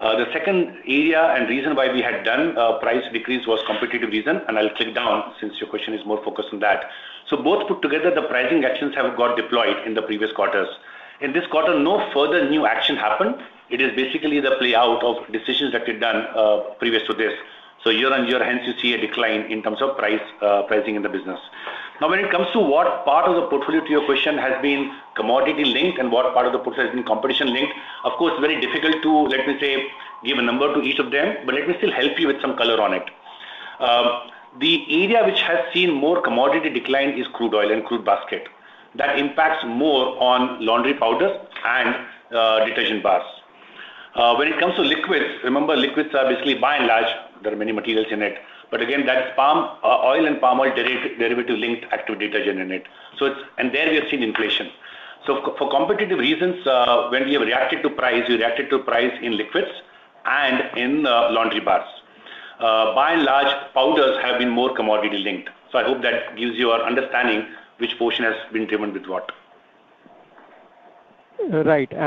The second area and reason why we had done price decrease was competitive reason. I'll click down since your question is more focused on that. Both put together, the pricing actions have got deployed in the previous quarters. In this quarter, no further new action happened. It is basically the playout of decisions that we've done previous to this. Year on year, hence you see a decline in terms of price, pricing in the business. Now, when it comes to what part of the portfolio, to your question, has been commodity linked and what part of the portfolio has been competition linked, of course, very difficult to, let me say, give a number to each of them. Let me still help you with some color on it. The area which has seen more commodity decline is crude oil and crude basket. That impacts more on laundry powders and detergent bars. When it comes to liquids, remember, liquids are basically by and large, there are many materials in it. Again, that's palm oil and palm oil derivative linked active detergent in it. There we have seen inflation. For competitive reasons, when we have reacted to price, we reacted to price in liquids and in laundry bars. By and large, powders have been more commodity linked. I hope that gives you an understanding which portion has been driven with what. Right. Is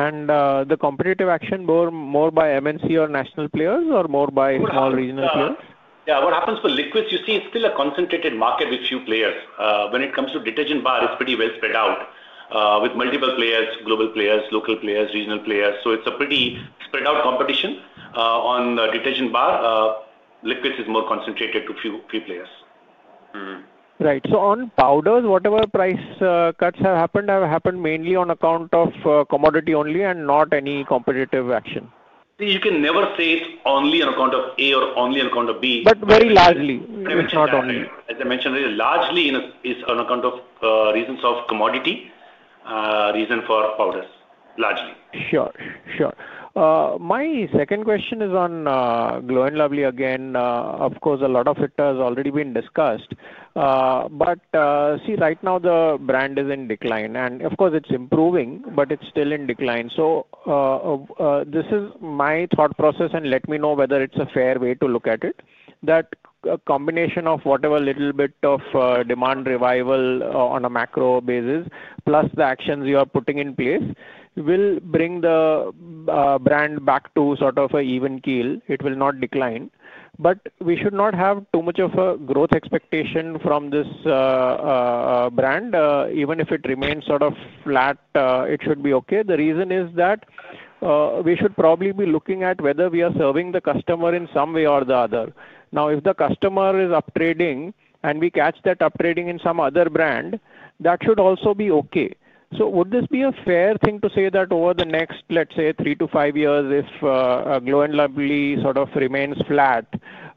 the competitive action borrowed by MNC or national players or more by small regional players? Yeah. What happens for liquids, you see it's still a concentrated market with few players. When it comes to detergent bar, it's pretty well spread out, with multiple players, global players, local players, regional players. It's a pretty spread out competition on the detergent bar. Liquids is more concentrated to few, few players. Right. On powders, whatever price cuts have happened, have happened mainly on account of commodity only and not any competitive action? You can never say it's only on account of A or only on account of B. Very largely, not only. As I mentioned earlier, it is on account of reasons of commodity, reason for powders, largely. Sure. My second question is on Glow & Lovely again. Of course, a lot of it has already been discussed. Right now the brand is in decline. Of course, it's improving, but it's still in decline. This is my thought process, and let me know whether it's a fair way to look at it, that a combination of whatever little bit of demand revival on a macro basis, plus the actions you are putting in place, will bring the brand back to sort of an even keel. It will not decline. We should not have too much of a growth expectation from this brand. Even if it remains sort of flat, it should be okay. The reason is that we should probably be looking at whether we are serving the customer in some way or the other. If the customer is uptrading and we catch that uptrading in some other brand, that should also be okay. Would this be a fair thing to say that over the next, let's say, three to five years, if Glow & Lovely sort of remains flat,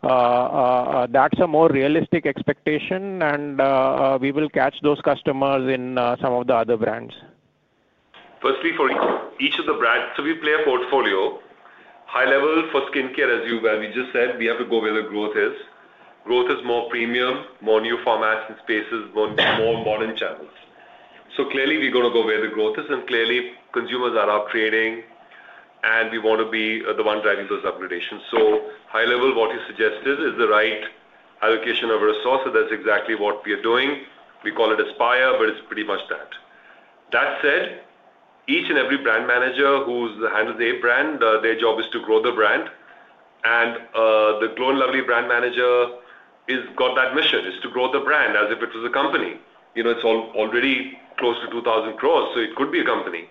that's a more realistic expectation, and we will catch those customers in some of the other brands? Firstly, for each of the brands, we play a portfolio high level for skincare. As you just said, we have to go where the growth is. Growth is more premium, more new formats and spaces, more modern channels. Clearly, we're going to go where the growth is. Clearly, consumers are upgrading, and we want to be the one driving those upgradations. High level, what you suggested is the right allocation of resources. That's exactly what we are doing. We call it Aspire, but it's pretty much that. That said, each and every Brand Manager who's handled their brand, their job is to grow the brand. The Glow & Lovely Brand Manager has got that mission, is to grow the brand as if it was a company. You know, it's already close to 2,000 crore, so it could be a company.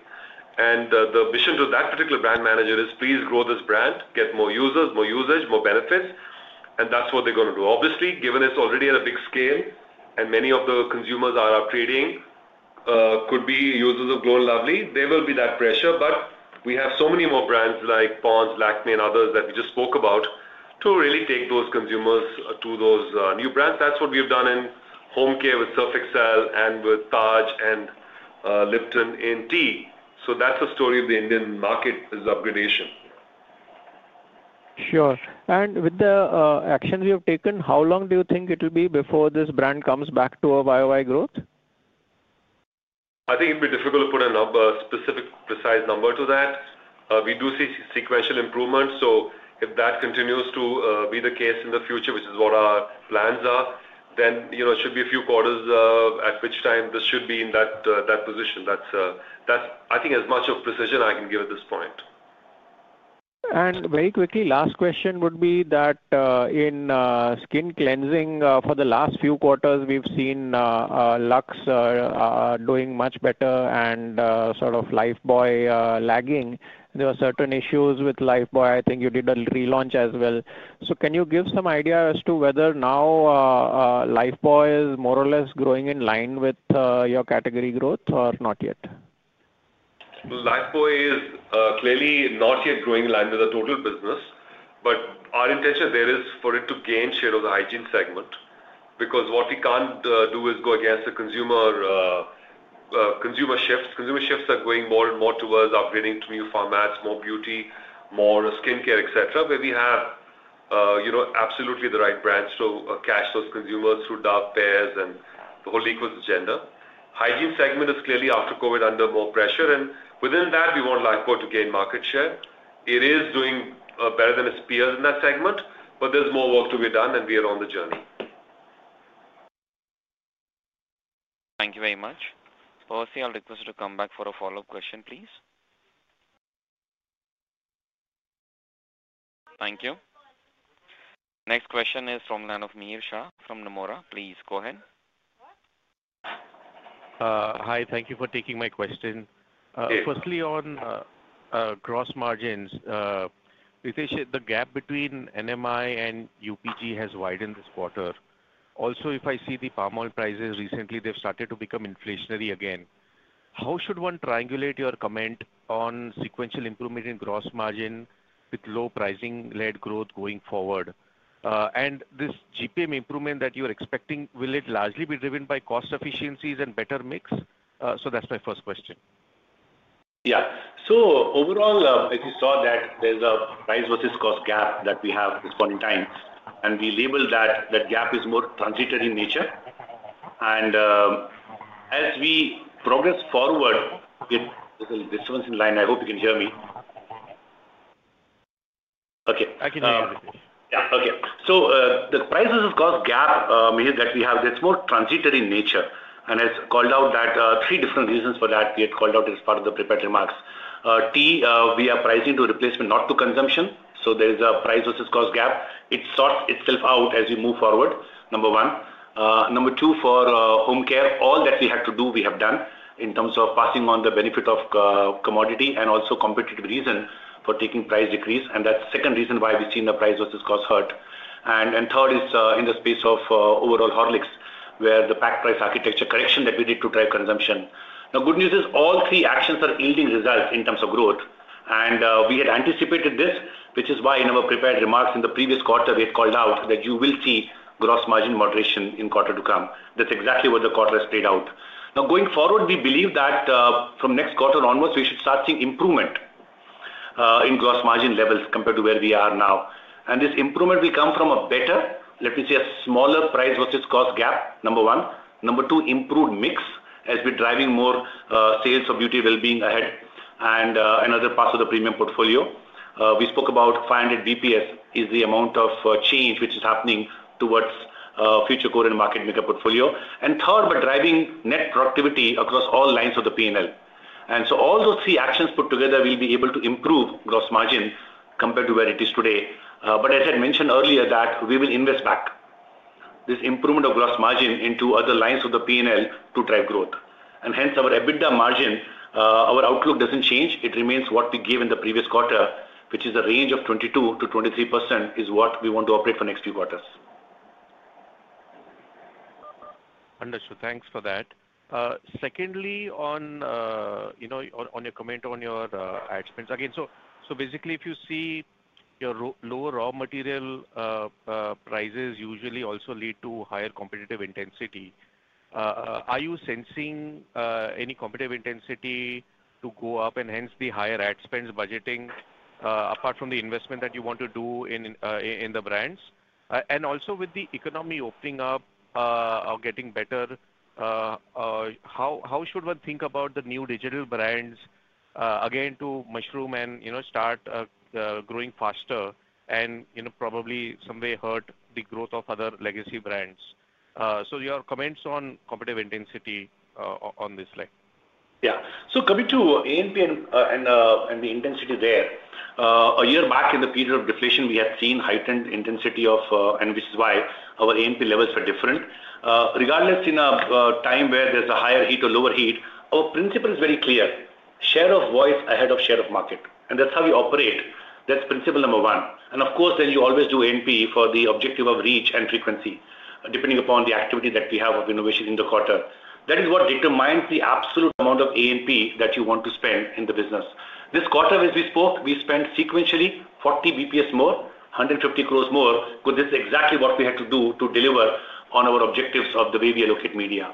The mission to that particular Brand Manager is, please grow this brand, get more users, more usage, more benefits. That's what they're going to do. Obviously, given it's already at a big scale and many of the consumers are upgrading, could be users of Glow & Lovely, there will be that pressure. We have so many more brands like Pond's, Lakmé, and others that we just spoke about to really take those consumers to those new brands. That's what we have done in Home Care with Surf Excel and with Taj and Lipton in Tea. The story of the Indian market is upgradation. Sure. With the actions we have taken, how long do you think it will be before this brand comes back to a YoY growth? I think it'd be difficult to put a number, a specific precise number to that. We do see sequential improvements. If that continues to be the case in the future, which is what our plans are, then it should be a few quarters, at which time this should be in that position. That's, I think, as much of precision I can give at this point. Very quickly, last question would be that, in skin cleansing, for the last few quarters, we've seen Lux doing much better and sort of Lifebuoy lagging. There were certain issues with Lifebuoy. I think you did a relaunch as well. Can you give some idea as to whether now Lifebuoy is more or less growing in line with your category growth or not yet? Lifebuoy is clearly not yet growing in line with the total business. Our intention there is for it to gain share of the hygiene segment because what we can't do is go against the consumer shifts. Consumer shifts are going more and more towards upgrading to new formats, more beauty, more skincare, etc., where we have absolutely the right brands to catch those consumers through dark pairs and the whole liquids agenda. The hygiene segment is clearly after COVID under more pressure. Within that, we want Lifebuoy to gain market share. It is doing better than its peers in that segment, but there's more work to be done, and we are on the journey. Thank you very much. Percy, I'll request you to come back for a follow-up question, please. Thank you. Next question is from Line of Mihir Shah from Nomura. Please go ahead. Hi. Thank you for taking my question. Yeah. Firstly, on gross margins, Ritesh, the gap between NMI and UPG has widened this quarter. Also, if I see the palm oil prices recently, they've started to become inflationary again. How should one triangulate your comment on sequential improvement in gross margin with low pricing-led growth going forward? This GPM improvement that you are expecting, will it largely be driven by cost efficiencies and better mix? That's my first question. Yeah. As you saw, there's a price versus cost gap that we have at this point in time. We labeled that gap as more transitory in nature. As we progress forward, with a little distance in line, I hope you can hear me okay. I can hear you, Ritesh. Yeah. Okay. So, the prices of cost gap here that we have, it's more transitory in nature. I called out that there are three different reasons for that. We had called out as part of the prepared remarks. Tea, we are pricing to replacement, not to consumption, so there is a price versus cost gap. It sorts itself out as we move forward, number one. Number two, for Home Care, all that we have to do, we have done in terms of passing on the benefit of commodity and also competitive reason for taking price decrease. That's the second reason why we've seen the price versus cost hurt. Third is, in the space of overall Horlicks, where the pack price architecture correction that we did to drive consumption. Now, good news is all three actions are yielding results in terms of growth. We had anticipated this, which is why in our prepared remarks in the previous quarter, we had called out that you will see gross margin moderation in quarter to come. That's exactly what the quarter has played out. Now, going forward, we believe that from next quarter onwards, we should start seeing improvement in gross margin levels compared to where we are now. This improvement will come from a better, let me say, a smaller price versus cost gap, number one. Number two, improved mix as we're driving more sales of Beauty Wellbeing ahead and another part of the premium portfolio. We spoke about 500 bps is the amount of change which is happening towards future core and market maker portfolio. Third, we're driving net productivity across all lines of the P&L. All those three actions put together will be able to improve gross margin compared to where it is today. As I mentioned earlier, we will invest back this improvement of gross margin into other lines of the P&L to drive growth. Hence, our EBITDA margin, our outlook doesn't change. It remains what we gave in the previous quarter, which is a range of 22%-23% is what we want to operate for next few quarters. Understood. Thanks for that. Secondly, on your comment on your ad spends, if you see your low raw material prices usually also lead to higher competitive intensity. Are you sensing any competitive intensity to go up and hence the higher ad spends budgeting, apart from the investment that you want to do in the brands? Also, with the economy opening up or getting better, how should one think about the new digital brands again to mushroom and start growing faster and probably some way hurt the growth of other legacy brands? Your comments on competitive intensity on this slide? Yeah. Coming to A&P and the intensity there, a year back in the period of deflation, we had seen heightened intensity, which is why our A&P levels were different. Regardless, in a time where there's a higher heat or lower heat, our principle is very clear: share of voice ahead of share of market. That's how we operate. That's principle number one. Of course, you always do A&P for the objective of reach and frequency, depending upon the activity that we have of innovation in the quarter. That is what determines the absolute amount of A&P that you want to spend in the business. This quarter, as we spoke, we spent sequentially 40 bps more, 150 crore more, because this is exactly what we had to do to deliver on our objectives of the way we allocate media.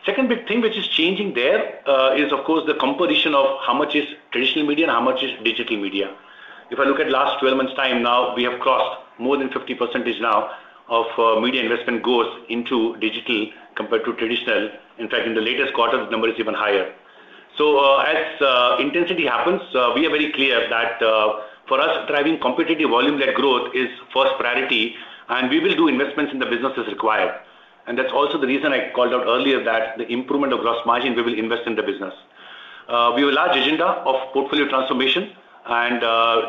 The second big thing which is changing there is, of course, the composition of how much is traditional media and how much is digital media. If I look at the last 12 months' time, now we have crossed more than 50% now of media investment goes into digital compared to traditional. In fact, in the latest quarter, the number is even higher. As intensity happens, we are very clear that, for us, driving competitive volume-led growth is first priority, and we will do investments in the business as required. That's also the reason I called out earlier that the improvement of gross margin, we will invest in the business. We have a large agenda of portfolio transformation and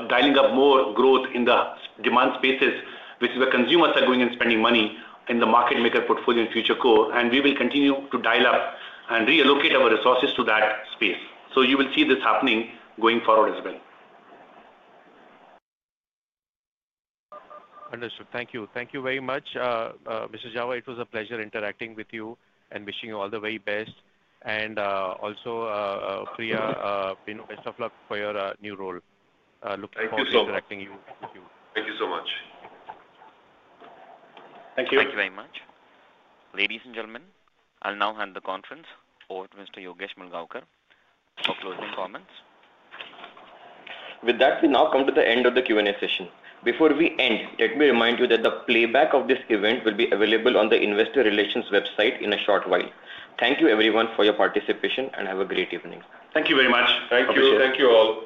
dialing up more growth in the demand spaces, which is where consumers are going and spending money in the market maker portfolio in future co. We will continue to dial up and reallocate our resources to that space. You will see this happening going forward as well. Understood. Thank you. Thank you very much. Mr. Jawa, it was a pleasure interacting with you and wishing you all the very best. Also, Priya, best of luck for your new role. Looking forward to interacting with you. Thank you so much. Thank you. Thank you very much. Ladies and gentlemen, I'll now hand the conference over to Mr. Yogesh Mulgaonkar for closing comments. With that, we now come to the end of the Q&A session. Before we end, let me remind you that the playback of this event will be available on the investor relations website in a short while. Thank you, everyone, for your participation, and have a great evening. Thank you very much. Thank you. Thank you. Thank you all.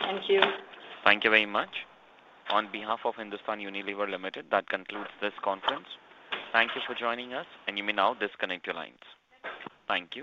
Thank you. Thank you very much. On behalf of Hindustan Unilever Limited, that concludes this conference. Thank you for joining us, and you may now disconnect your lines. Thank you.